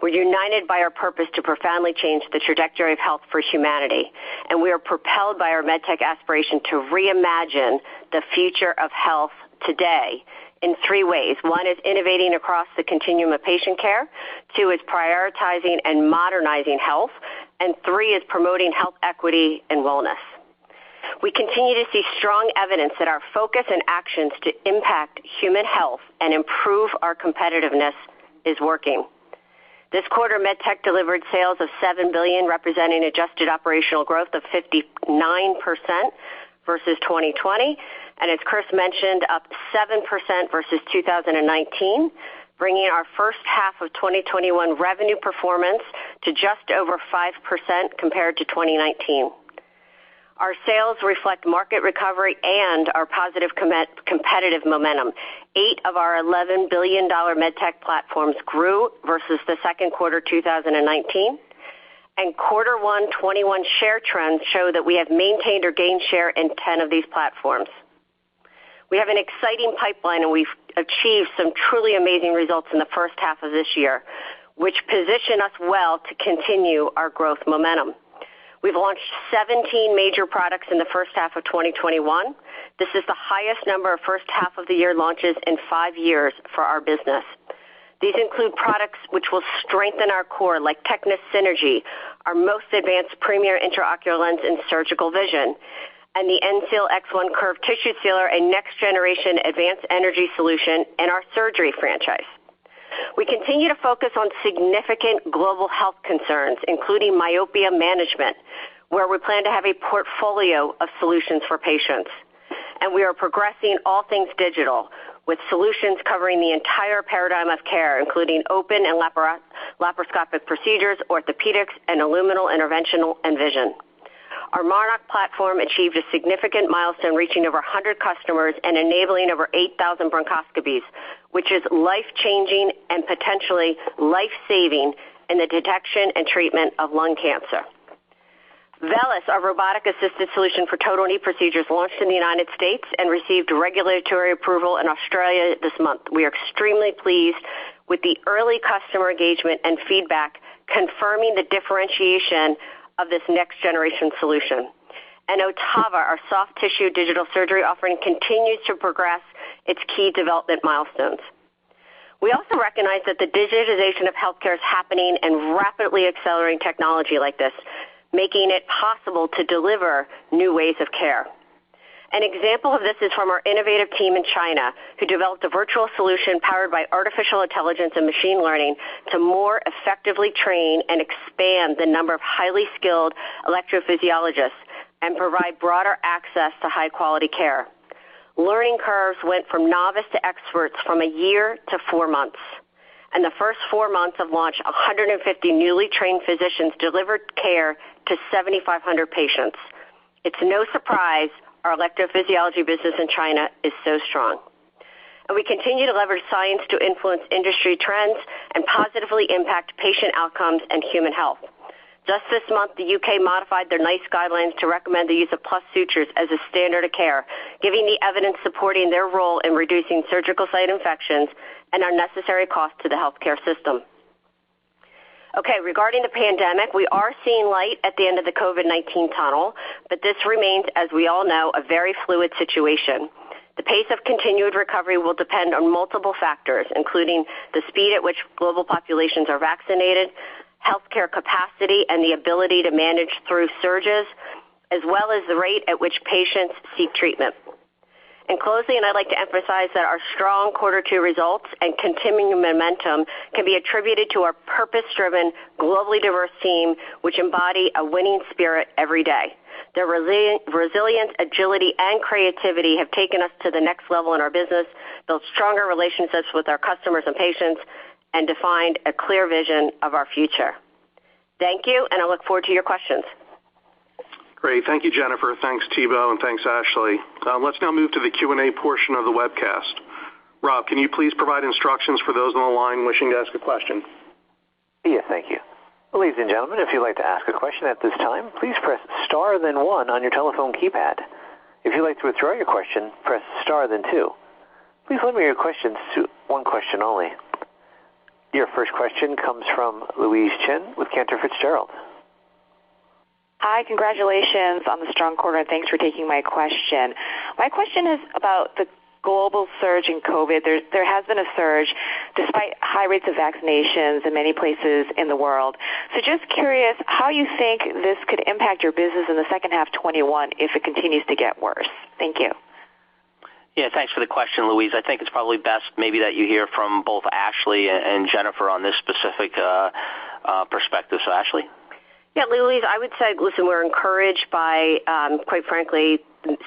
We're united by our purpose to profoundly change the trajectory of Health for Humanity. We are propelled by our MedTech aspiration to reimagine the future of health today in three ways. One is innovating across the continuum of patient care, two is prioritizing and modernizing health. Three is promoting health equity and wellness. We continue to see strong evidence that our focus and actions to impact human health and improve our competitiveness is working. This quarter, MedTech delivered sales of $7 billion, representing adjusted operational growth of 59% versus 2020, and as Chris mentioned, up 7% versus 2019, bringing our first half of 2021 revenue performance to just over 5% compared to 2019. Our sales reflect market recovery and our positive competitive momentum. Eight of our $11 billion MedTech platforms grew versus the second quarter 2019, and quarter 1 '21 share trends show that we have maintained or gained share in 10 of these platforms. We have an exciting pipeline, and we've achieved some truly amazing results in the first half of this year, which position us well to continue our growth momentum. We've launched 17 major products in the first half of 2021. This is the highest number of first half of the year launches in five years for our business. These include products which will strengthen our core, like TECNIS Synergy, our most advanced premier intraocular lens in surgical vision, and the ENSEAL X1 Curve tissue sealer, a next-generation advanced energy solution in our surgery franchise. We continue to focus on significant global health concerns, including myopia management, where we plan to have a portfolio of solutions for patients. We are progressing all things digital with solutions covering the entire paradigm of care, including open and laparoscopic procedures, orthopaedics, and luminal, interventional, and vision. Our Monarch platform achieved a significant milestone, reaching over 100 customers and enabling over 8,000 bronchoscopies, which is life-changing and potentially life-saving in the detection and treatment of lung cancer. VELYS, our robotic-assisted solution for total knee procedures, launched in the U.S. and received regulatory approval in Australia this month. We are extremely pleased with the early customer engagement and feedback confirming the differentiation of this next-generation solution. Ottava, our soft-tissue digital surgery offering, continues to progress its key development milestones. We also recognize that the digitization of healthcare is happening and rapidly accelerating technology like this, making it possible to deliver new ways of care. An example of this is from our innovative team in China, who developed a virtual solution powered by artificial intelligence and machine learning to more effectively train and expand the number of highly skilled electrophysiologists and provide broader access to high-quality care. Learning curves went from novice to experts from 1 year to 4 months. In the first 4 months of launch, 150 newly trained physicians delivered care to 7,500 patients. It is no surprise our electrophysiology business in China is so strong. We continue to leverage science to influence industry trends and positively impact patient outcomes and human health. Just this month, the U.K. modified their NICE guidelines to recommend the use of PLUS sutures as a standard of care, giving the evidence supporting their role in reducing surgical site infections and unnecessary costs to the healthcare system. Okay, regarding the pandemic, we are seeing light at the end of the COVID-19 tunnel, but this remains, as we all know, a very fluid situation. The pace of continued recovery will depend on multiple factors, including the speed at which global populations are vaccinated, healthcare capacity, and the ability to manage through surges, as well as the rate at which patients seek treatment. In closing, I'd like to emphasize that our strong quarter two results and continuing momentum can be attributed to our purpose-driven, globally diverse team, which embody a winning spirit every day. Their resilience, agility, and creativity have taken us to the next level in our business, built stronger relationships with our customers and patients, and defined a clear vision of our future. Thank you, and I look forward to your questions. Great. Thank you, Jennifer. Thanks, Thibaut, and thanks, Ashley. Let's now move to the Q&A portion of the webcast. Rob, can you please provide instructions for those on the line wishing to ask a question? Yeah, thank you. Ladies and gentlemen, if you'd like to ask a question at this time, please press star then 1 on your telephone keypad. If you'd like to withdraw your question, press star then 2. Please limit your questions to 1 question only. Your first question comes from Louise Chen with Cantor Fitzgerald. Hi, congratulations on the strong quarter, and thanks for taking my question. My question is about the global surge in COVID. There has been a surge despite high rates of vaccinations in many places in the world. Just curious how you think this could impact your business in the second half 2021 if it continues to get worse. Thank you. Yeah, thanks for the question, Louise. I think it's probably best maybe that you hear from both Ashley and Jennifer on this specific. perspective. Ashley? Yeah, Louise, I would say, listen, we're encouraged by quite frankly,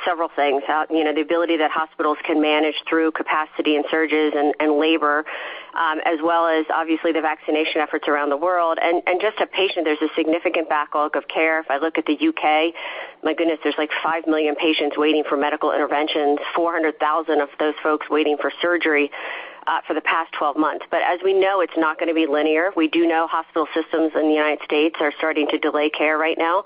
several things. The ability that hospitals can manage through capacity and surges and labor, as well as obviously the vaccination efforts around the world. Just a patient, there's a significant backlog of care. If I look at the U.K., my goodness, there's 5 million patients waiting for medical interventions, 400,000 of those folks waiting for surgery for the past 12 months. As we know, it's not going to be linear. We do know hospital systems in the U.S. are starting to delay care right now.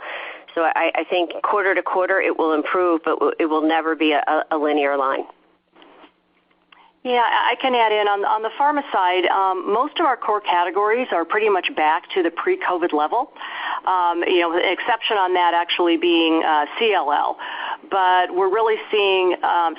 I think quarter to quarter it will improve, but it will never be a linear line. Yeah, I can add in. On the Pharma side, most of our core categories are pretty much back to the pre-COVID level. The exception on that actually being CLL. We're really seeing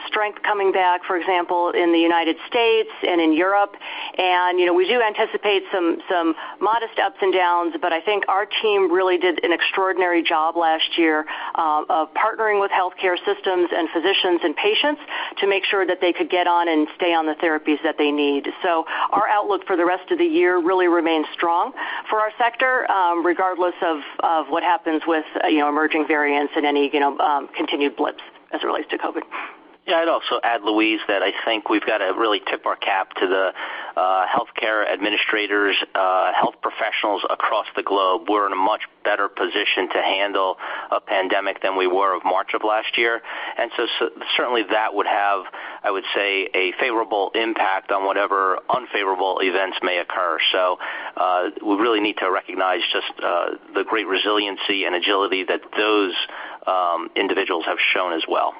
strength coming back, for example, in the United States and in Europe. We do anticipate some modest ups and downs, but I think our team really did an extraordinary job last year of partnering with healthcare systems and physicians and patients to make sure that they could get on and stay on the therapies that they need. Our outlook for the rest of the year really remains strong for our sector, regardless of what happens with emerging variants and any continued blips as it relates to COVID. Yeah. I'd also add, Louise, that I think we've got to really tip our cap to the healthcare administrators, health professionals across the globe. We're in a much better position to handle a pandemic than we were of March of last year. Certainly that would have, I would say, a favorable impact on whatever unfavorable events may occur. We really need to recognize just the great resiliency and agility that those individuals have shown as well.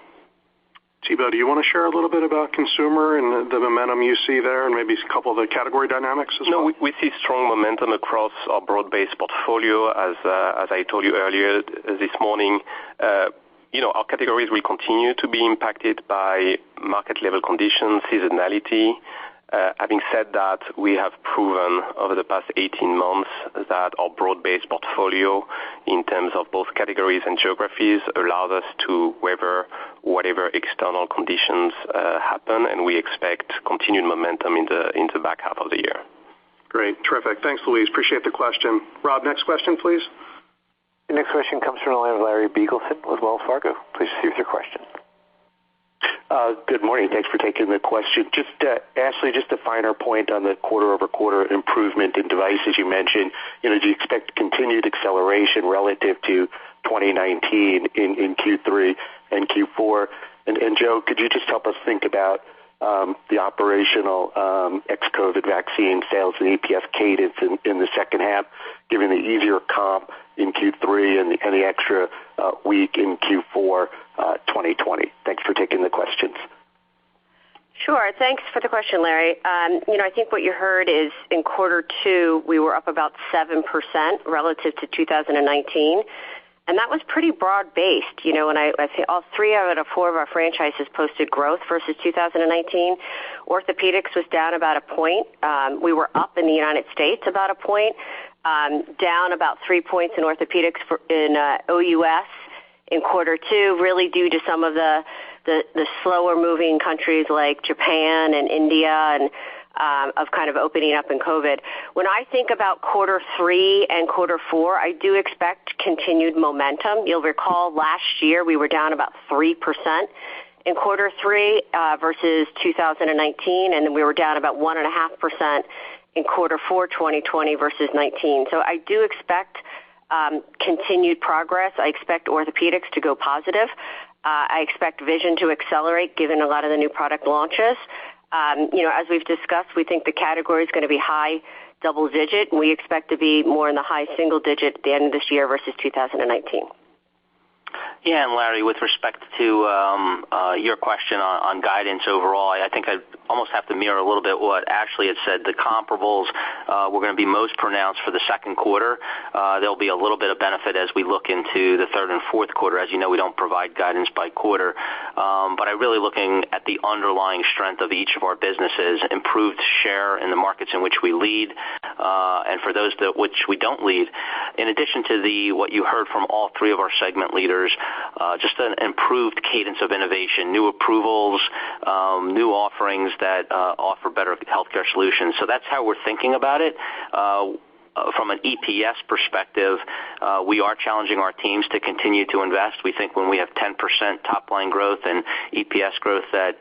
Thibault, do you want to share a little bit about Consumer and the momentum you see there and maybe a couple of the category dynamics as well? No, we see strong momentum across our broad-based portfolio. As I told you earlier this morning, our categories will continue to be impacted by market level conditions, seasonality. Having said that, we have proven over the past 18 months that our broad-based portfolio in terms of both categories and geographies allows us to weather whatever external conditions happen. We expect continued momentum in the back half of the year. Great. Terrific. Thanks, Louise. Appreciate the question. Bob, next question, please. The next question comes from the line of Larry Biegelsen with Wells Fargo. Please proceed with your question. Good morning. Thanks for taking the question. Ashley, just to finer point on the quarter-over-quarter improvement in MedTech, as you mentioned, do you expect continued acceleration relative to 2019 in Q3 and Q4? Joe, could you just help us think about the operational ex-COVID vaccine sales and EPS cadence in the second half, given the easier comp in Q3 and the extra week in Q4 2020? Thanks for taking the questions. Sure. Thanks for the question, Larry. I think what you heard is in quarter two, we were up about 7% relative to 2019. That was pretty broad-based. All three out of four of our franchises posted growth versus 2019. Orthopedics was down about a point. We were up in the U.S. about a point, down about three points in orthopedics in OUS in quarter two, really due to some of the slower moving countries like Japan and India of kind of opening up in COVID. When I think about quarter three and quarter four, I do expect continued momentum. You'll recall last year we were down about 3% in quarter three versus 2019. We were down about 1.5% in quarter four 2020 versus 2019. I do expect continued progress. I expect orthopedics to go positive. I expect Vision to accelerate given a lot of the new product launches. As we've discussed, we think the category is going to be high double-digit, and we expect to be more in the high single-digit at the end of this year versus 2019. Yeah. Larry, with respect to your question on guidance overall, I think I almost have to mirror a little bit what Ashley had said. The comparables were going to be most pronounced for the second quarter. There'll be a little bit of benefit as we look into the third and fourth quarter. As you know, we don't provide guidance by quarter. Really looking at the underlying strength of each of our businesses, improved share in the markets in which we lead, and for those that which we don't lead, in addition to what you heard from all three of our segment leaders, just an improved cadence of innovation, new approvals, new offerings that offer better healthcare solutions. That's how we're thinking about it. From an EPS perspective, we are challenging our teams to continue to invest. We think when we have 10% top line growth and EPS growth that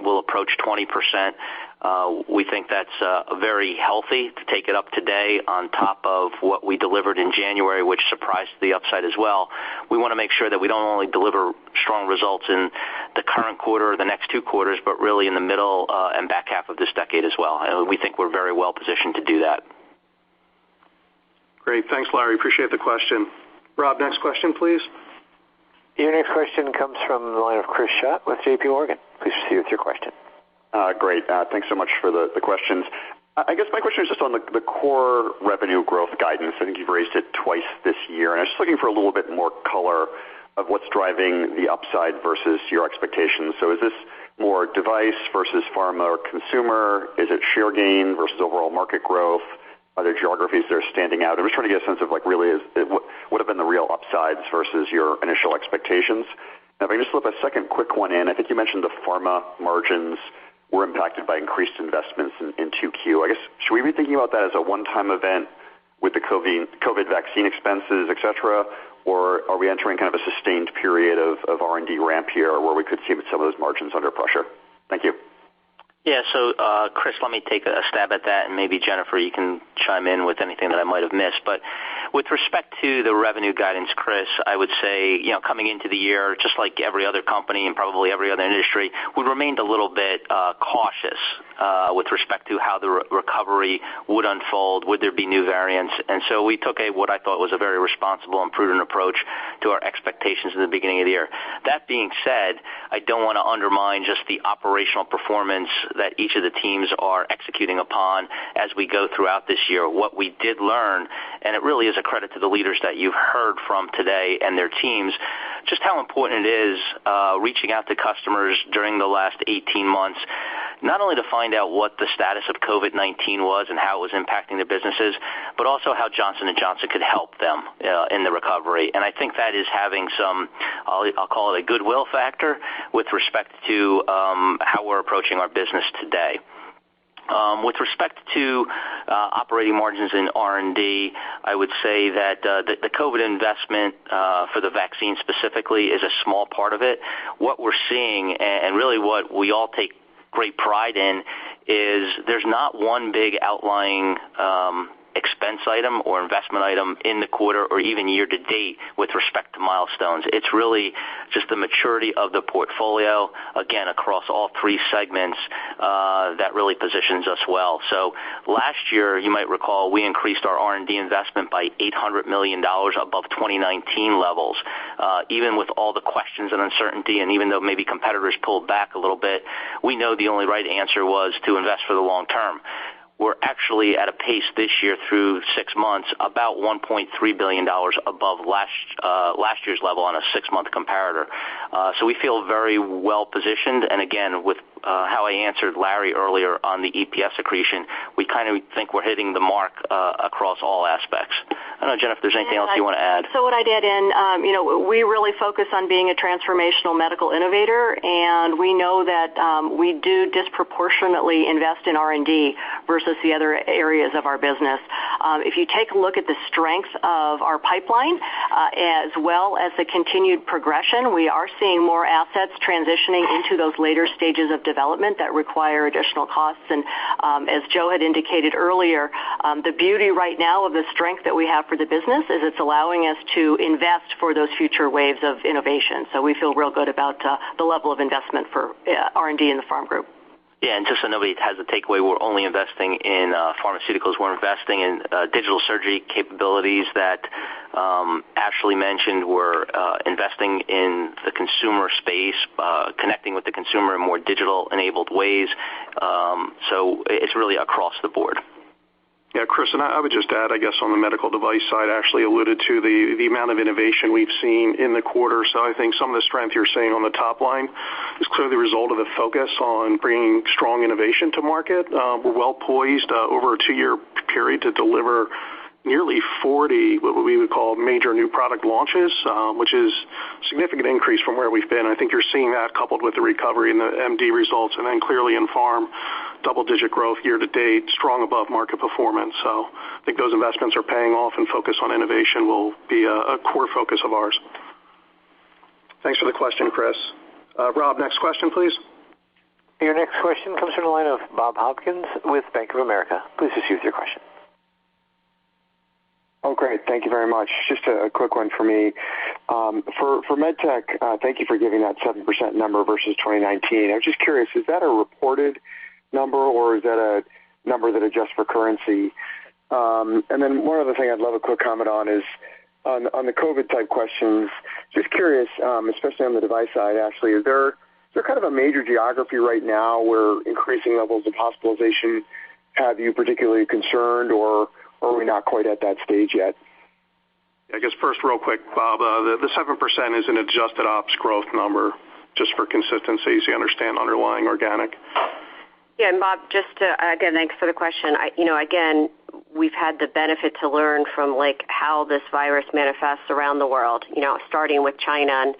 will approach 20%, we think that's very healthy to take it up to date on top of what we delivered in January, which surprised the upside as well. We want to make sure that we don't only deliver strong results in the current quarter or the next two quarters, but really in the middle and back half of this decade as well. We think we're very well positioned to do that. Great. Thanks, Larry. Appreciate the question. Rob, next question, please. Your next question comes from the line of Chris Schott with J.P. Morgan. Please proceed with your question. Great. Thanks so much for the questions. I guess my question is just on the core revenue growth guidance. I think you've raised it twice this year. I was just looking for a little bit more color of what's driving the upside versus your expectations. Is this more Device versus Pharma or Consumer? Is it share gain versus overall market growth? Are there geographies that are standing out? I'm just trying to get a sense of what have been the real upsides versus your initial expectations. If I can just slip a second quick one in. I think you mentioned the Pharma marginswere impacted by increased investments in 2Q. I guess, should we be thinking about that as a one-time event with the COVID vaccine expenses, et cetera? Are we entering kind of a sustained period of R&D ramp here where we could keep some of those margins under pressure? Thank you. Chris, let me take a stab at that, and maybe Jennifer, you can chime in with anything that I might have missed. With respect to the revenue guidance, Chris, I would say, coming into the year, just like every other company and probably every other industry, we remained a little bit cautious with respect to how the recovery would unfold. Would there be new variants? We took a, what I thought, was a very responsible and prudent approach to our expectations in the beginning of the year. That being said, I don't want to undermine just the operational performance that each of the teams are executing upon as we go throughout this year. What we did learn, it really is a credit to the leaders that you've heard from today and their teams, just how important it is, reaching out to customers during the last 18 months, not only to find out what the status of COVID-19 was and how it was impacting their businesses, but also how Johnson & Johnson could help them in the recovery. I think that is having some, I'll call it, a goodwill factor with respect to how we're approaching our business today. With respect to operating margins in R&D, I would say that the COVID investment for the vaccine specifically is a small part of it. What we're seeing, and really what we all take great pride in, is there's not 1 big outlying expense item or investment item in the quarter or even year to date with respect to milestones. It's really just the maturity of the portfolio, again, across all 3 segments, that really positions us well. Last year, you might recall, we increased our R&D investment by $800 million above 2019 levels. Even with all the questions and uncertainty, even though maybe competitors pulled back a little bit, we know the only right answer was to invest for the long term. We're actually at a pace this year through 6 months, about $1.3 billion above last year's level on a 6-month comparator. We feel very well-positioned, and again, with how I answered Larry earlier on the EPS accretion, we kind of think we're hitting the mark across all aspects. I don't know, Jen, if there's anything else you want to add. What I'd add in, we really focus on being a transformational medical innovator, and we know that we do disproportionately invest in R&D versus the other areas of our business. If you take a look at the strength of our pipeline, as well as the continued progression, we are seeing more assets transitioning into those later stages of development that require additional costs. As Joe had indicated earlier, the beauty right now of the strength that we have for the business is it's allowing us to invest for those future waves of innovation. We feel real good about the level of investment for R&D in the Pharm group. Yeah. Just so nobody has the takeaway we're only investing in pharmaceuticals. We're investing in digital surgery capabilities that Ashley mentioned. We're investing in the consumer space, connecting with the consumer in more digital-enabled ways. It's really across the board. Yeah, Chris, I would just add, I guess, on the Medical Devices side, Ashley alluded to the amount of innovation we've seen in the quarter. I think some of the strength you're seeing on the top line is clearly the result of a focus on bringing strong innovation to market. We're well poised over a two-year period to deliver nearly 40, what we would call, major new product launches, which is a significant increase from where we've been. I think you're seeing that coupled with the recovery in the MedTech results and then clearly in Pharm, double-digit growth year-to-date, strong above-market performance. I think those investments are paying off and focus on innovation will be a core focus of ours. Thanks for the question, Chris. Bob, next question, please. Your next question comes from the line of Bob Hopkins with Bank of America. Please proceed with your question. Oh, great. Thank you very much. Just a quick one for me. For MedTech, thank you for giving that 7% number versus 2019. I'm just curious, is that a reported number or is that a number that adjusts for currency? One other thing I'd love a quick comment on is on the COVID-type questions. Just curious, especially on the device side, Ashley, is there kind of a major geography right now where increasing levels of hospitalization have you particularly concerned, or are we not quite at that stage yet? I guess first real quick, Bob, the 7% is an adjusted ops growth number just for consistency, so you understand underlying organic. Yeah. Bob, again, thanks for the question. We've had the benefit to learn from how this virus manifests around the world starting with China.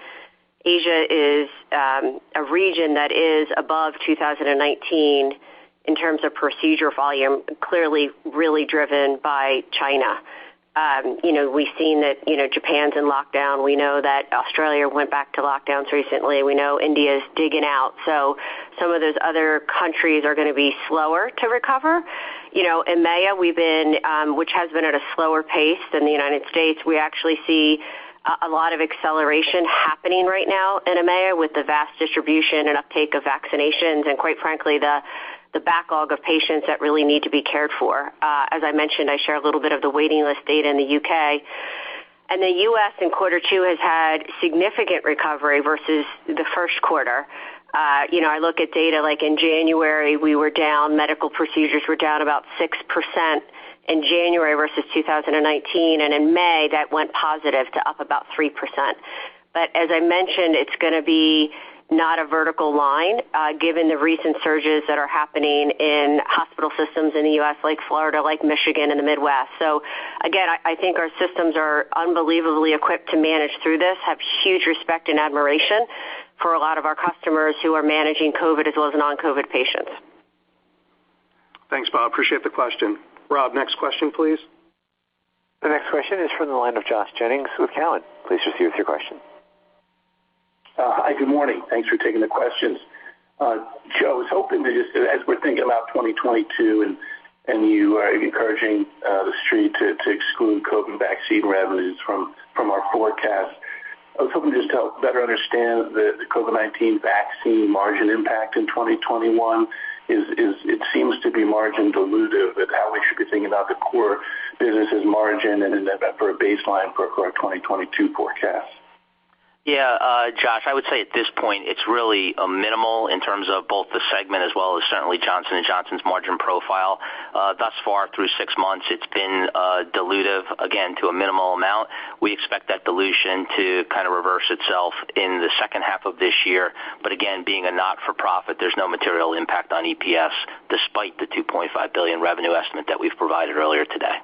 Asia is a region that is above 2019 in terms of procedure volume, clearly really driven by China. We've seen that Japan's in lockdown. We know that Australia went back to lockdowns recently. We know India's digging out. Some of those other countries are going to be slower to recover. EMEA, which has been at a slower pace than the U.S. We actually see a lot of acceleration happening right now in EMEA with the vast distribution and uptake of vaccinations and quite frankly, the backlog of patients that really need to be cared for. As I mentioned, I share a little bit of the waiting list data in the U.K. The U.S. in quarter two has had significant recovery versus the first quarter. I look at data like in January, we were down, medical procedures were down about 6% in January versus 2019. In May, that went positive to up about 3%. As I mentioned, it's going to be not a vertical line given the recent surges that are happening in hospital systems in the U.S., like Florida, like Michigan, and the Midwest. Again, I think our systems are unbelievably equipped to manage through this. Have huge respect and admiration for a lot of our customers who are managing COVID as well as non-COVID patients. Thanks, Bob. Appreciate the question. Rob, next question, please. The next question is from the line of Josh Jennings with Cowen. Please proceed with your question. Hi, good morning. Thanks for taking the questions. Joe, as we're thinking about 2022, and you are encouraging the street to exclude COVID vaccine revenues from our forecast, I was hoping just to better understand the COVID-19 vaccine margin impact in 2021. It seems to be margin dilutive and how we should be thinking about the core business's margin and then for a baseline for our 2022 forecast. Josh, I would say at this point, it's really minimal in terms of both the segment as well as certainly Johnson & Johnson's margin profile. Thus far, through six months, it's been dilutive, again, to a minimal amount. We expect that dilution to kind of reverse itself in the second half of this year. Again, being a not-for-profit, there's no material impact on EPS despite the $2.5 billion revenue estimate that we've provided earlier today.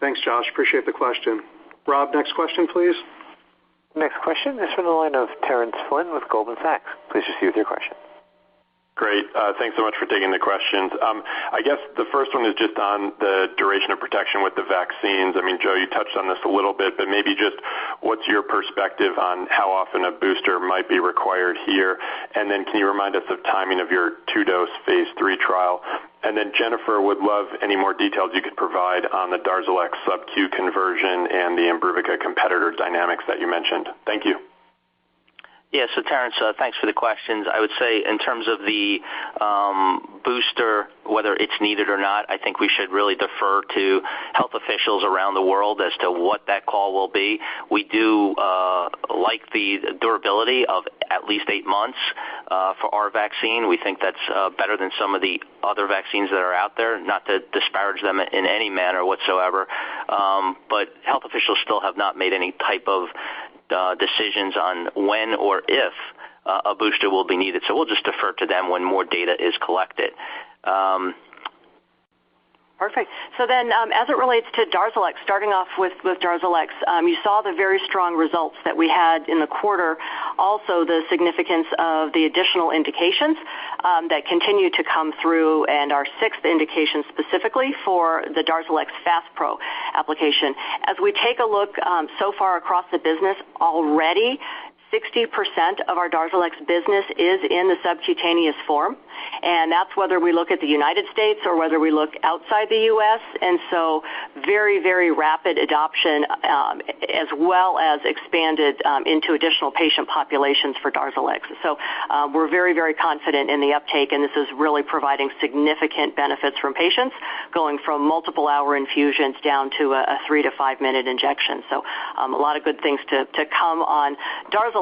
Thanks, Josh. Appreciate the question. Rob, next question, please. Next question is from the line of Terence Flynn with Goldman Sachs. Please proceed with your question. Great. Thanks so much for taking the questions. I guess the first one is just on the duration of protection with the vaccines. Joe, you touched on this a little bit, but maybe just what's your perspective on how often a booster might be required here? Can you remind us of timing of your 2-dose phase III trial? Jennifer, would love any more details you could provide on the DARZALEX subQ conversion and the IMBRUVICA competitor dynamics that you mentioned. Thank you. Yeah. Terence, thanks for the questions. I would say in terms of the booster, whether it's needed or not, I think we should really defer to health officials around the world as to what that call will be. We do like the durability of at least eight months for our vaccine. We think that's better than some of the other vaccines that are out there. Not to disparage them in any manner whatsoever. Health officials still have not made any type of decisions on when or if a booster will be needed. We'll just defer to them when more data is collected. Perfect. As it relates to DARZALEX, starting off with DARZALEX, you saw the very strong results that we had in the quarter. Also, the significance of the additional indications that continue to come through and our 6th indication specifically for the DARZALEX FASPRO application. As we take a look so far across the business, already 60% of our DARZALEX business is in the subcutaneous form, and that's whether we look at the United States or whether we look outside the U.S. Very rapid adoption, as well as expanded into additional patient populations for DARZALEX. We're very confident in the uptake, and this is really providing significant benefits from patients, going from multiple-hour infusions down to a 3-to-5-minute injection. A lot of good things to come on DARZALEX.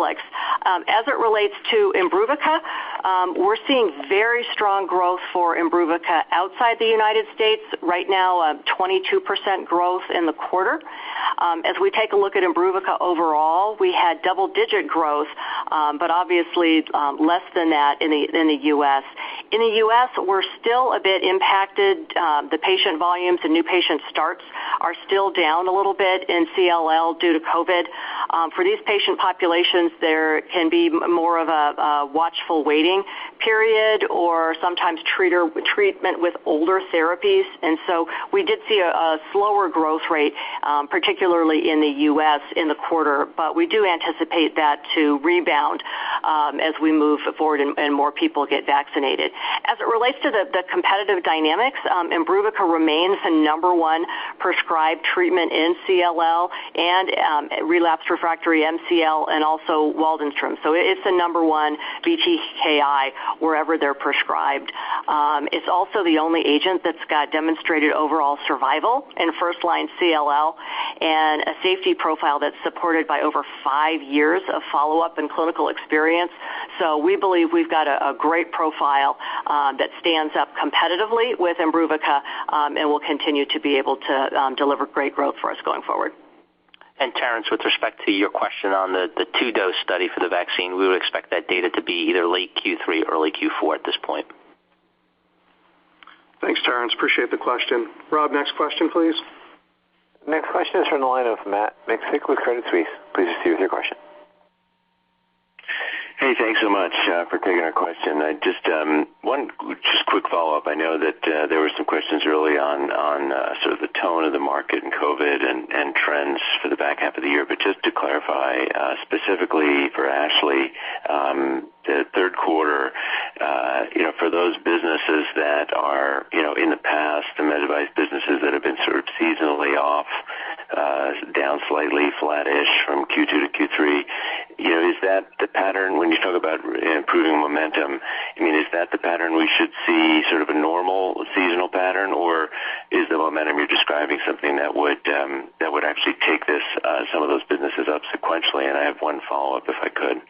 As it relates to IMBRUVICA, we're seeing very strong growth for IMBRUVICA outside the United States. Right now, 22% growth in the quarter. We take a look at IMBRUVICA overall, we had double-digit growth, but obviously, less than that in the U.S. In the U.S., we're still a bit impacted. The patient volumes and new patient starts are still down a little bit in CLL due to COVID. For these patient populations, there can be more of a watchful waiting period or sometimes treatment with older therapies. We did see a slower growth rate, particularly in the U.S. in the quarter. We do anticipate that to rebound as we move forward and more people get vaccinated. As it relates to the competitive dynamics, IMBRUVICA remains the number 1 prescribed treatment in CLL and relapsed refractory MCL and also Waldenström's. It's the number 1 BTKI wherever they're prescribed. It's also the only agent that's got demonstrated overall survival in first-line CLL and a safety profile that's supported by over five years of follow-up and clinical experience. We believe we've got a great profile that stands up competitively with IMBRUVICA, and will continue to be able to deliver great growth for us going forward. Terence, with respect to your question on the 2-dose study for the vaccine, we would expect that data to be either late Q3 or early Q4 at this point. Thanks, Terence. Appreciate the question. Rob, next question, please. Next question is from the line of Matt Miksic with Credit Suisse. Please proceed with your question. Hey, thanks so much for taking our question. Just one just quick follow-up. I know that there were some questions early on sort of the tone of the market and COVID and trends for the back half of the year. Just to clarify, specifically for Ashley, the third quarter, for those businesses that are in the past, the Med Device businesses that have been sort of seasonally off, down slightly, flat-ish from Q2 to Q3. When you talk about improving momentum, is that the pattern we should see sort of a normal seasonal pattern, or is the momentum you're describing something that would actually take some of those businesses up sequentially? I have one follow-up if I could.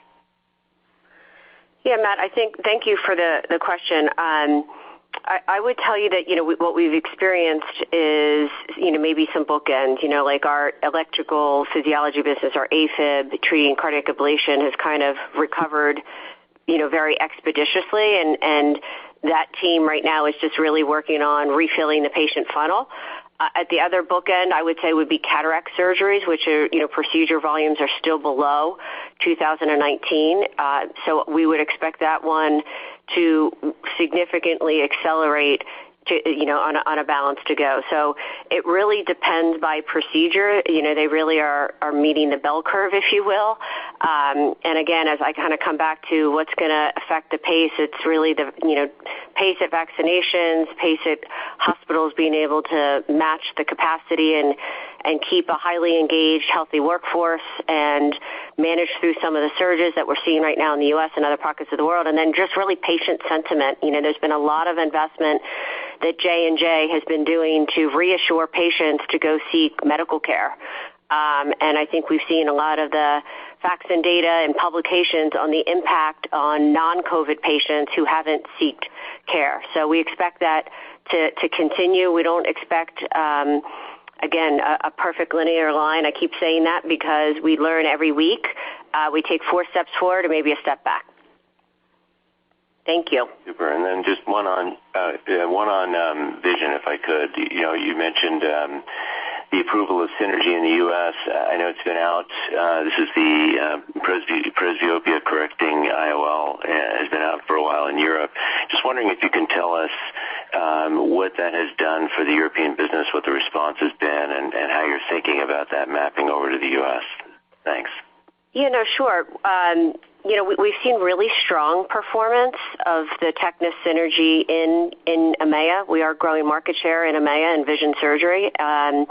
Yeah, Matt. Thank you for the question. I would tell you that what we've experienced is maybe some bookends, like our [electrophysiology] business, our AFib, treating cardiac ablation has kind of recovered very expeditiously, and that team right now is just really working on refilling the patient funnel. At the other bookend, I would say, would be cataract surgeries, which procedure volumes are still below 2019. We would expect that one to significantly accelerate on a balance to-go. It really depends by procedure. They really are meeting the bell curve, if you will. Again, as I come back to what's going to affect the pace, it's really the pace of vaccinations, pace of hospitals being able to match the capacity and keep a highly engaged, healthy workforce and manage through some of the surges that we're seeing right now in the U.S. and other pockets of the world. Then just really patient sentiment. There's been a lot of investment that J&J has been doing to reassure patients to go seek medical care. I think we've seen a lot of the facts and data and publications on the impact on non-COVID patients who haven't sought care. We expect that to continue. We don't expect, again, a perfect linear line. I keep saying that because we learn every week. We take four steps forward and maybe a step back. Thank you. Super. Just one on vision, if I could. You mentioned the approval of Synergy in the U.S. I know it's been out. This is the presbyopia-correcting IOL, has been out for a while in Europe. Just wondering if you can tell us what that has done for the European business, what the response has been, and how you're thinking about that mapping over to the U.S. Thanks. Sure. We've seen really strong performance of the TECNIS Synergy in EMEA. We are growing market share in EMEA in vision surgery, and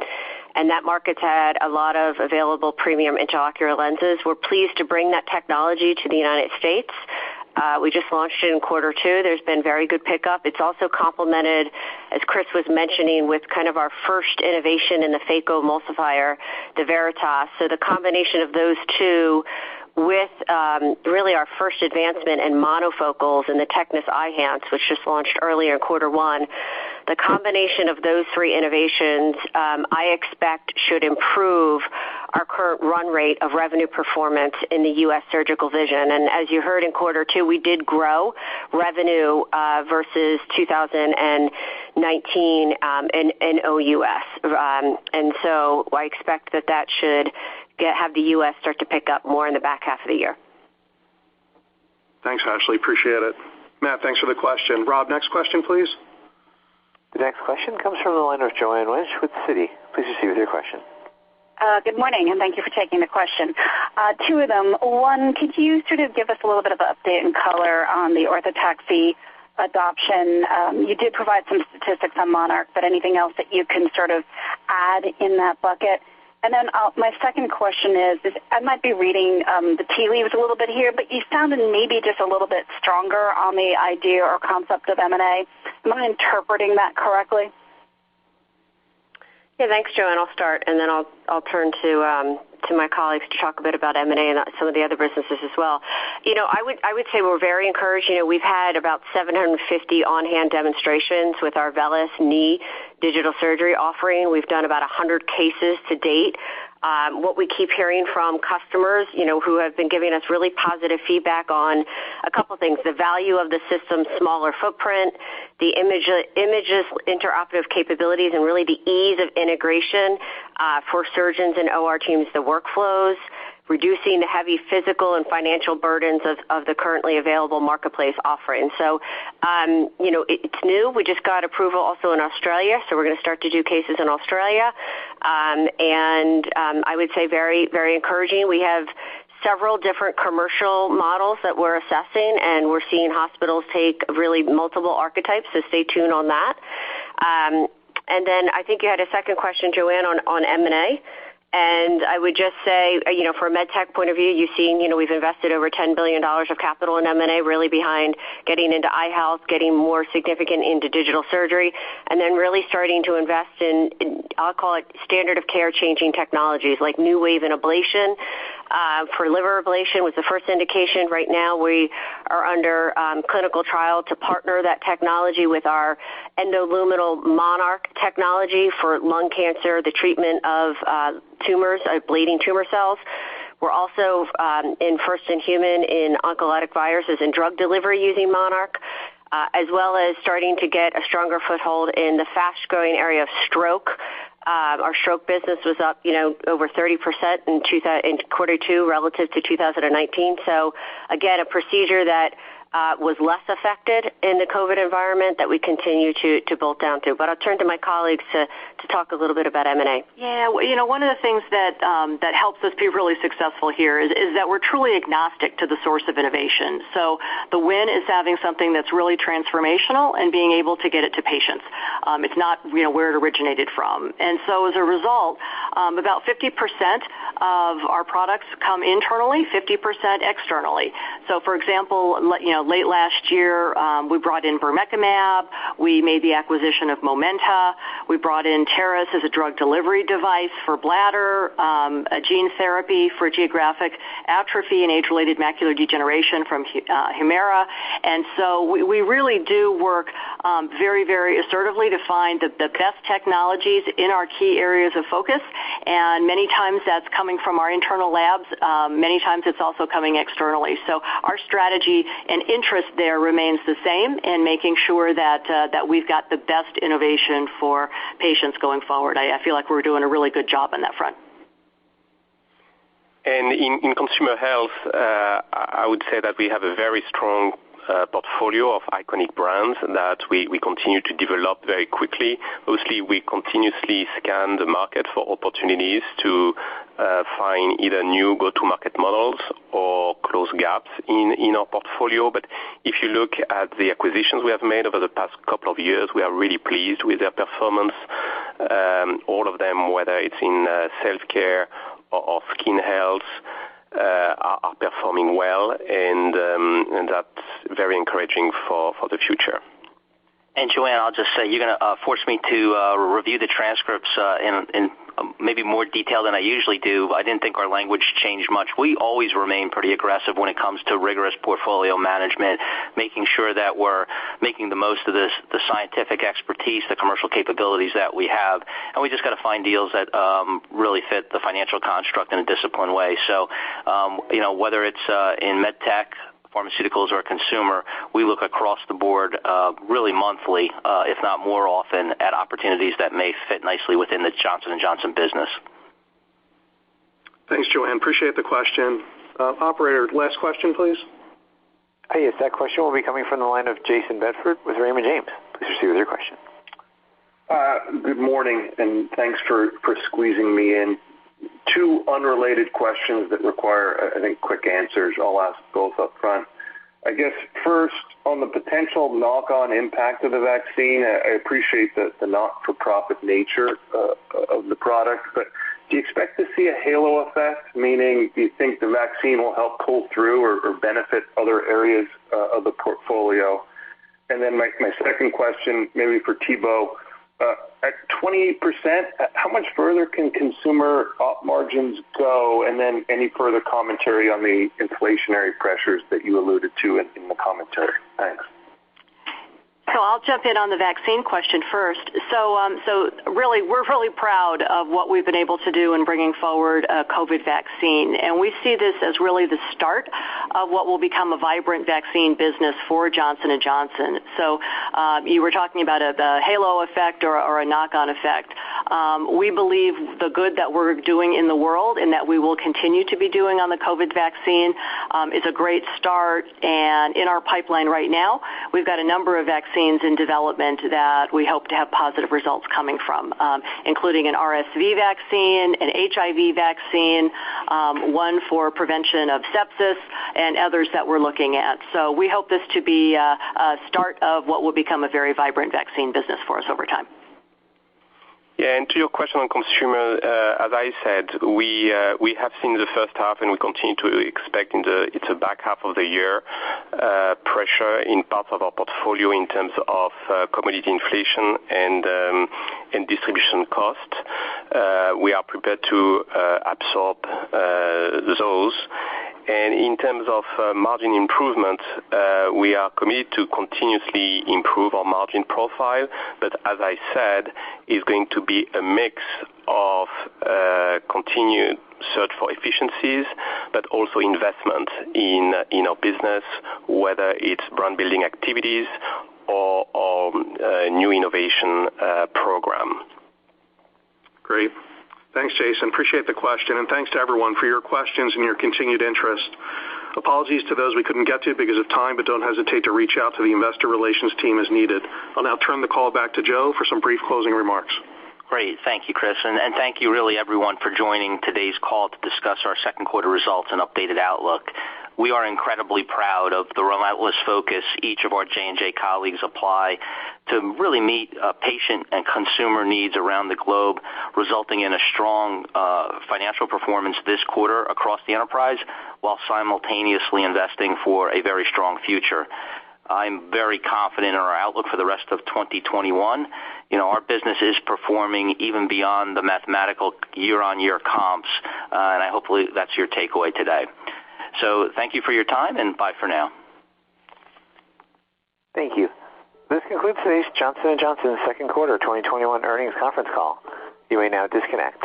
that market's had a lot of available premium intraocular lenses. We're pleased to bring that technology to the United States. We just launched it in quarter two. There's been very good pickup. It's also complemented, as Chris was mentioning, with kind of our first innovation in the phacoemulsifier, the VERITAS. The combination of those two with really our first advancement in monofocals in the TECNIS Eyhance, which just launched earlier in quarter one. The combination of those three innovations, I expect, should improve our current run rate of revenue performance in the U.S. surgical vision. As you heard in quarter two, we did grow revenue versus 2019 in OUS. I expect that that should have the U.S. start to pick up more in the back half of the year. Thanks, Ashley. Appreciate it. Matt, thanks for the question. Rob, next question, please. The next question comes from the line of Joanne Wuensch with Citi. Please proceed with your question. Good morning, and thank you for taking the question. 2 of them. One, could you sort of give us a little bit of update and color on the Orthotaxy adoption? You did provide some statistics on Monarch, but anything else that you can sort of add in that bucket? My second question is, I might be reading the tea leaves a little bit here, but you sounded maybe just a little bit stronger on the idea or concept of M&A. Am I interpreting that correctly? Thanks, Joanne. I'll start, and then I'll turn to my colleagues to talk a bit about M&A and some of the other businesses as well. I would say we're very encouraged. We've had about 750 on-hand demonstrations with our VELYS knee digital surgery offering. We've done about 100 cases to date. What we keep hearing from customers who have been giving us really positive feedback on a couple of things, the value of the system, smaller footprint, the images, intraoperative capabilities, and really the ease of integration for surgeons and OR teams, the workflows, reducing the heavy physical and financial burdens of the currently available marketplace offerings. It's new. We just got approval also in Australia. We're going to start to do cases in Australia. I would say very encouraging. We have several different commercial models that we're assessing. We're seeing hospitals take really multiple archetypes. Stay tuned on that. I think you had a second question, Joanne, on M&A. I would just say, from a MedTech point of view, you've seen we've invested over $10 billion of capital in M&A, really behind getting into eye health, getting more significant into digital surgery, and then really starting to invest in, I'll call it standard of care changing technologies like NeuWave in ablation for liver ablation was the first indication. Right now, we are under clinical trial to partner that technology with our endoluminal Monarch technology for lung cancer, the treatment of tumors, bleeding tumor cells. We're also in first-in-human in oncolytic viruses and drug delivery using Monarch, as well as starting to get a stronger foothold in the fast-growing area of stroke. Our stroke business was up over 30% in quarter two relative to 2019. Again, a procedure that was less affected in the COVID environment that we continue to bolt down to. I'll turn to my colleagues to talk a little bit about M&A. Yeah. One of the things that helps us be really successful here is that we're truly agnostic to the source of innovation. The win is having something that's really transformational and being able to get it to patients. It's not where it originated from. As a result, about 50% of our products come internally, 50% externally. For example, late last year, we brought in bermekimab. We made the acquisition of Momenta. We brought in TAR-200 as a drug delivery device for bladder, a gene therapy for geographic atrophy and age-related macular degeneration from Hemera. We really do work very, very assertively to find the best technologies in our key areas of focus. Many times that's coming from our internal labs. Many times it's also coming externally. Our strategy and interest there remains the same in making sure that we've got the best innovation for patients going forward. I feel like we're doing a really good job on that front. In Consumer Health, I would say that we have a very strong portfolio of iconic brands that we continue to develop very quickly. Mostly, we continuously scan the market for opportunities to find either new go-to-market models or close gaps in our portfolio. If you look at the acquisitions we have made over the past couple of years, we are really pleased with their performance. All of them, whether it's in self-care or skin health, are performing well, and that's very encouraging for the future. Joanne, I'll just say, you're going to force me to review the transcripts in maybe more detail than I usually do. I didn't think our language changed much. We always remain pretty aggressive when it comes to rigorous portfolio management, making sure that we're making the most of the scientific expertise, the commercial capabilities that we have, and we just got to find deals that really fit the financial construct in a disciplined way. Whether it's in MedTech, Pharmaceuticals, or consumer, we look across the board really monthly, if not more often, at opportunities that may fit nicely within the Johnson & Johnson business. Thanks, Joanne. Appreciate the question. Operator, last question, please. Hey, yes. That question will be coming from the line of Jayson Bedford with Raymond James. Please proceed with your question. Good morning, thanks for squeezing me in. Two unrelated questions that require, I think, quick answers. I'll ask both upfront. I guess, first, on the potential knock-on impact of the vaccine, I appreciate the not-for-profit nature of the product, but do you expect to see a halo effect? Meaning, do you think the vaccine will help pull through or benefit other areas of the portfolio? My second question, maybe for Thibaut. At 28%, how much further can consumer op margins go? Any further commentary on the inflationary pressures that you alluded to in the commentary? Thanks. I'll jump in on the vaccine question first. Really, we're really proud of what we've been able to do in bringing forward a COVID vaccine, and we see this as really the start of what will become a vibrant vaccine business for Johnson & Johnson. You were talking about the halo effect or a knock-on effect. We believe the good that we're doing in the world and that we will continue to be doing on the COVID vaccine, is a great start. In our pipeline right now, we've got a number of vaccines in development that we hope to have positive results coming from, including an RSV vaccine, an HIV vaccine, one for prevention of sepsis, and others that we're looking at. We hope this to be a start of what will become a very vibrant vaccine business for us over time. Yeah. To your question on consumer, as I said, we have seen the first half and we continue to expect in the back half of the year, pressure in parts of our portfolio in terms of commodity inflation and distribution cost. We are prepared to absorb those. In terms of margin improvement, we are committed to continuously improve our margin profile, but as I said, is going to be a mix of continued search for efficiencies, but also investment in our business, whether it's brand-building activities or new innovation program. Great. Thanks, Jayson. Appreciate the question, and thanks to everyone for your questions and your continued interest. Apologies to those we couldn't get to because of time, but don't hesitate to reach out to the investor relations team as needed. I'll now turn the call back to Joe for some brief closing remarks. Great. Thank you, Chris. Thank you really everyone for joining today's call to discuss our second quarter results and updated outlook. We are incredibly proud of the relentless focus each of our J&J colleagues apply to really meet patient and consumer needs around the globe, resulting in a strong financial performance this quarter across the enterprise while simultaneously investing for a very strong future. I'm very confident in our outlook for the rest of 2021. Our business is performing even beyond the mathematical year-on-year comps. Hopefully, that's your takeaway today. Thank you for your time, and bye for now. Thank you. This concludes today's Johnson & Johnson second quarter 2021 earnings conference call. You may now disconnect.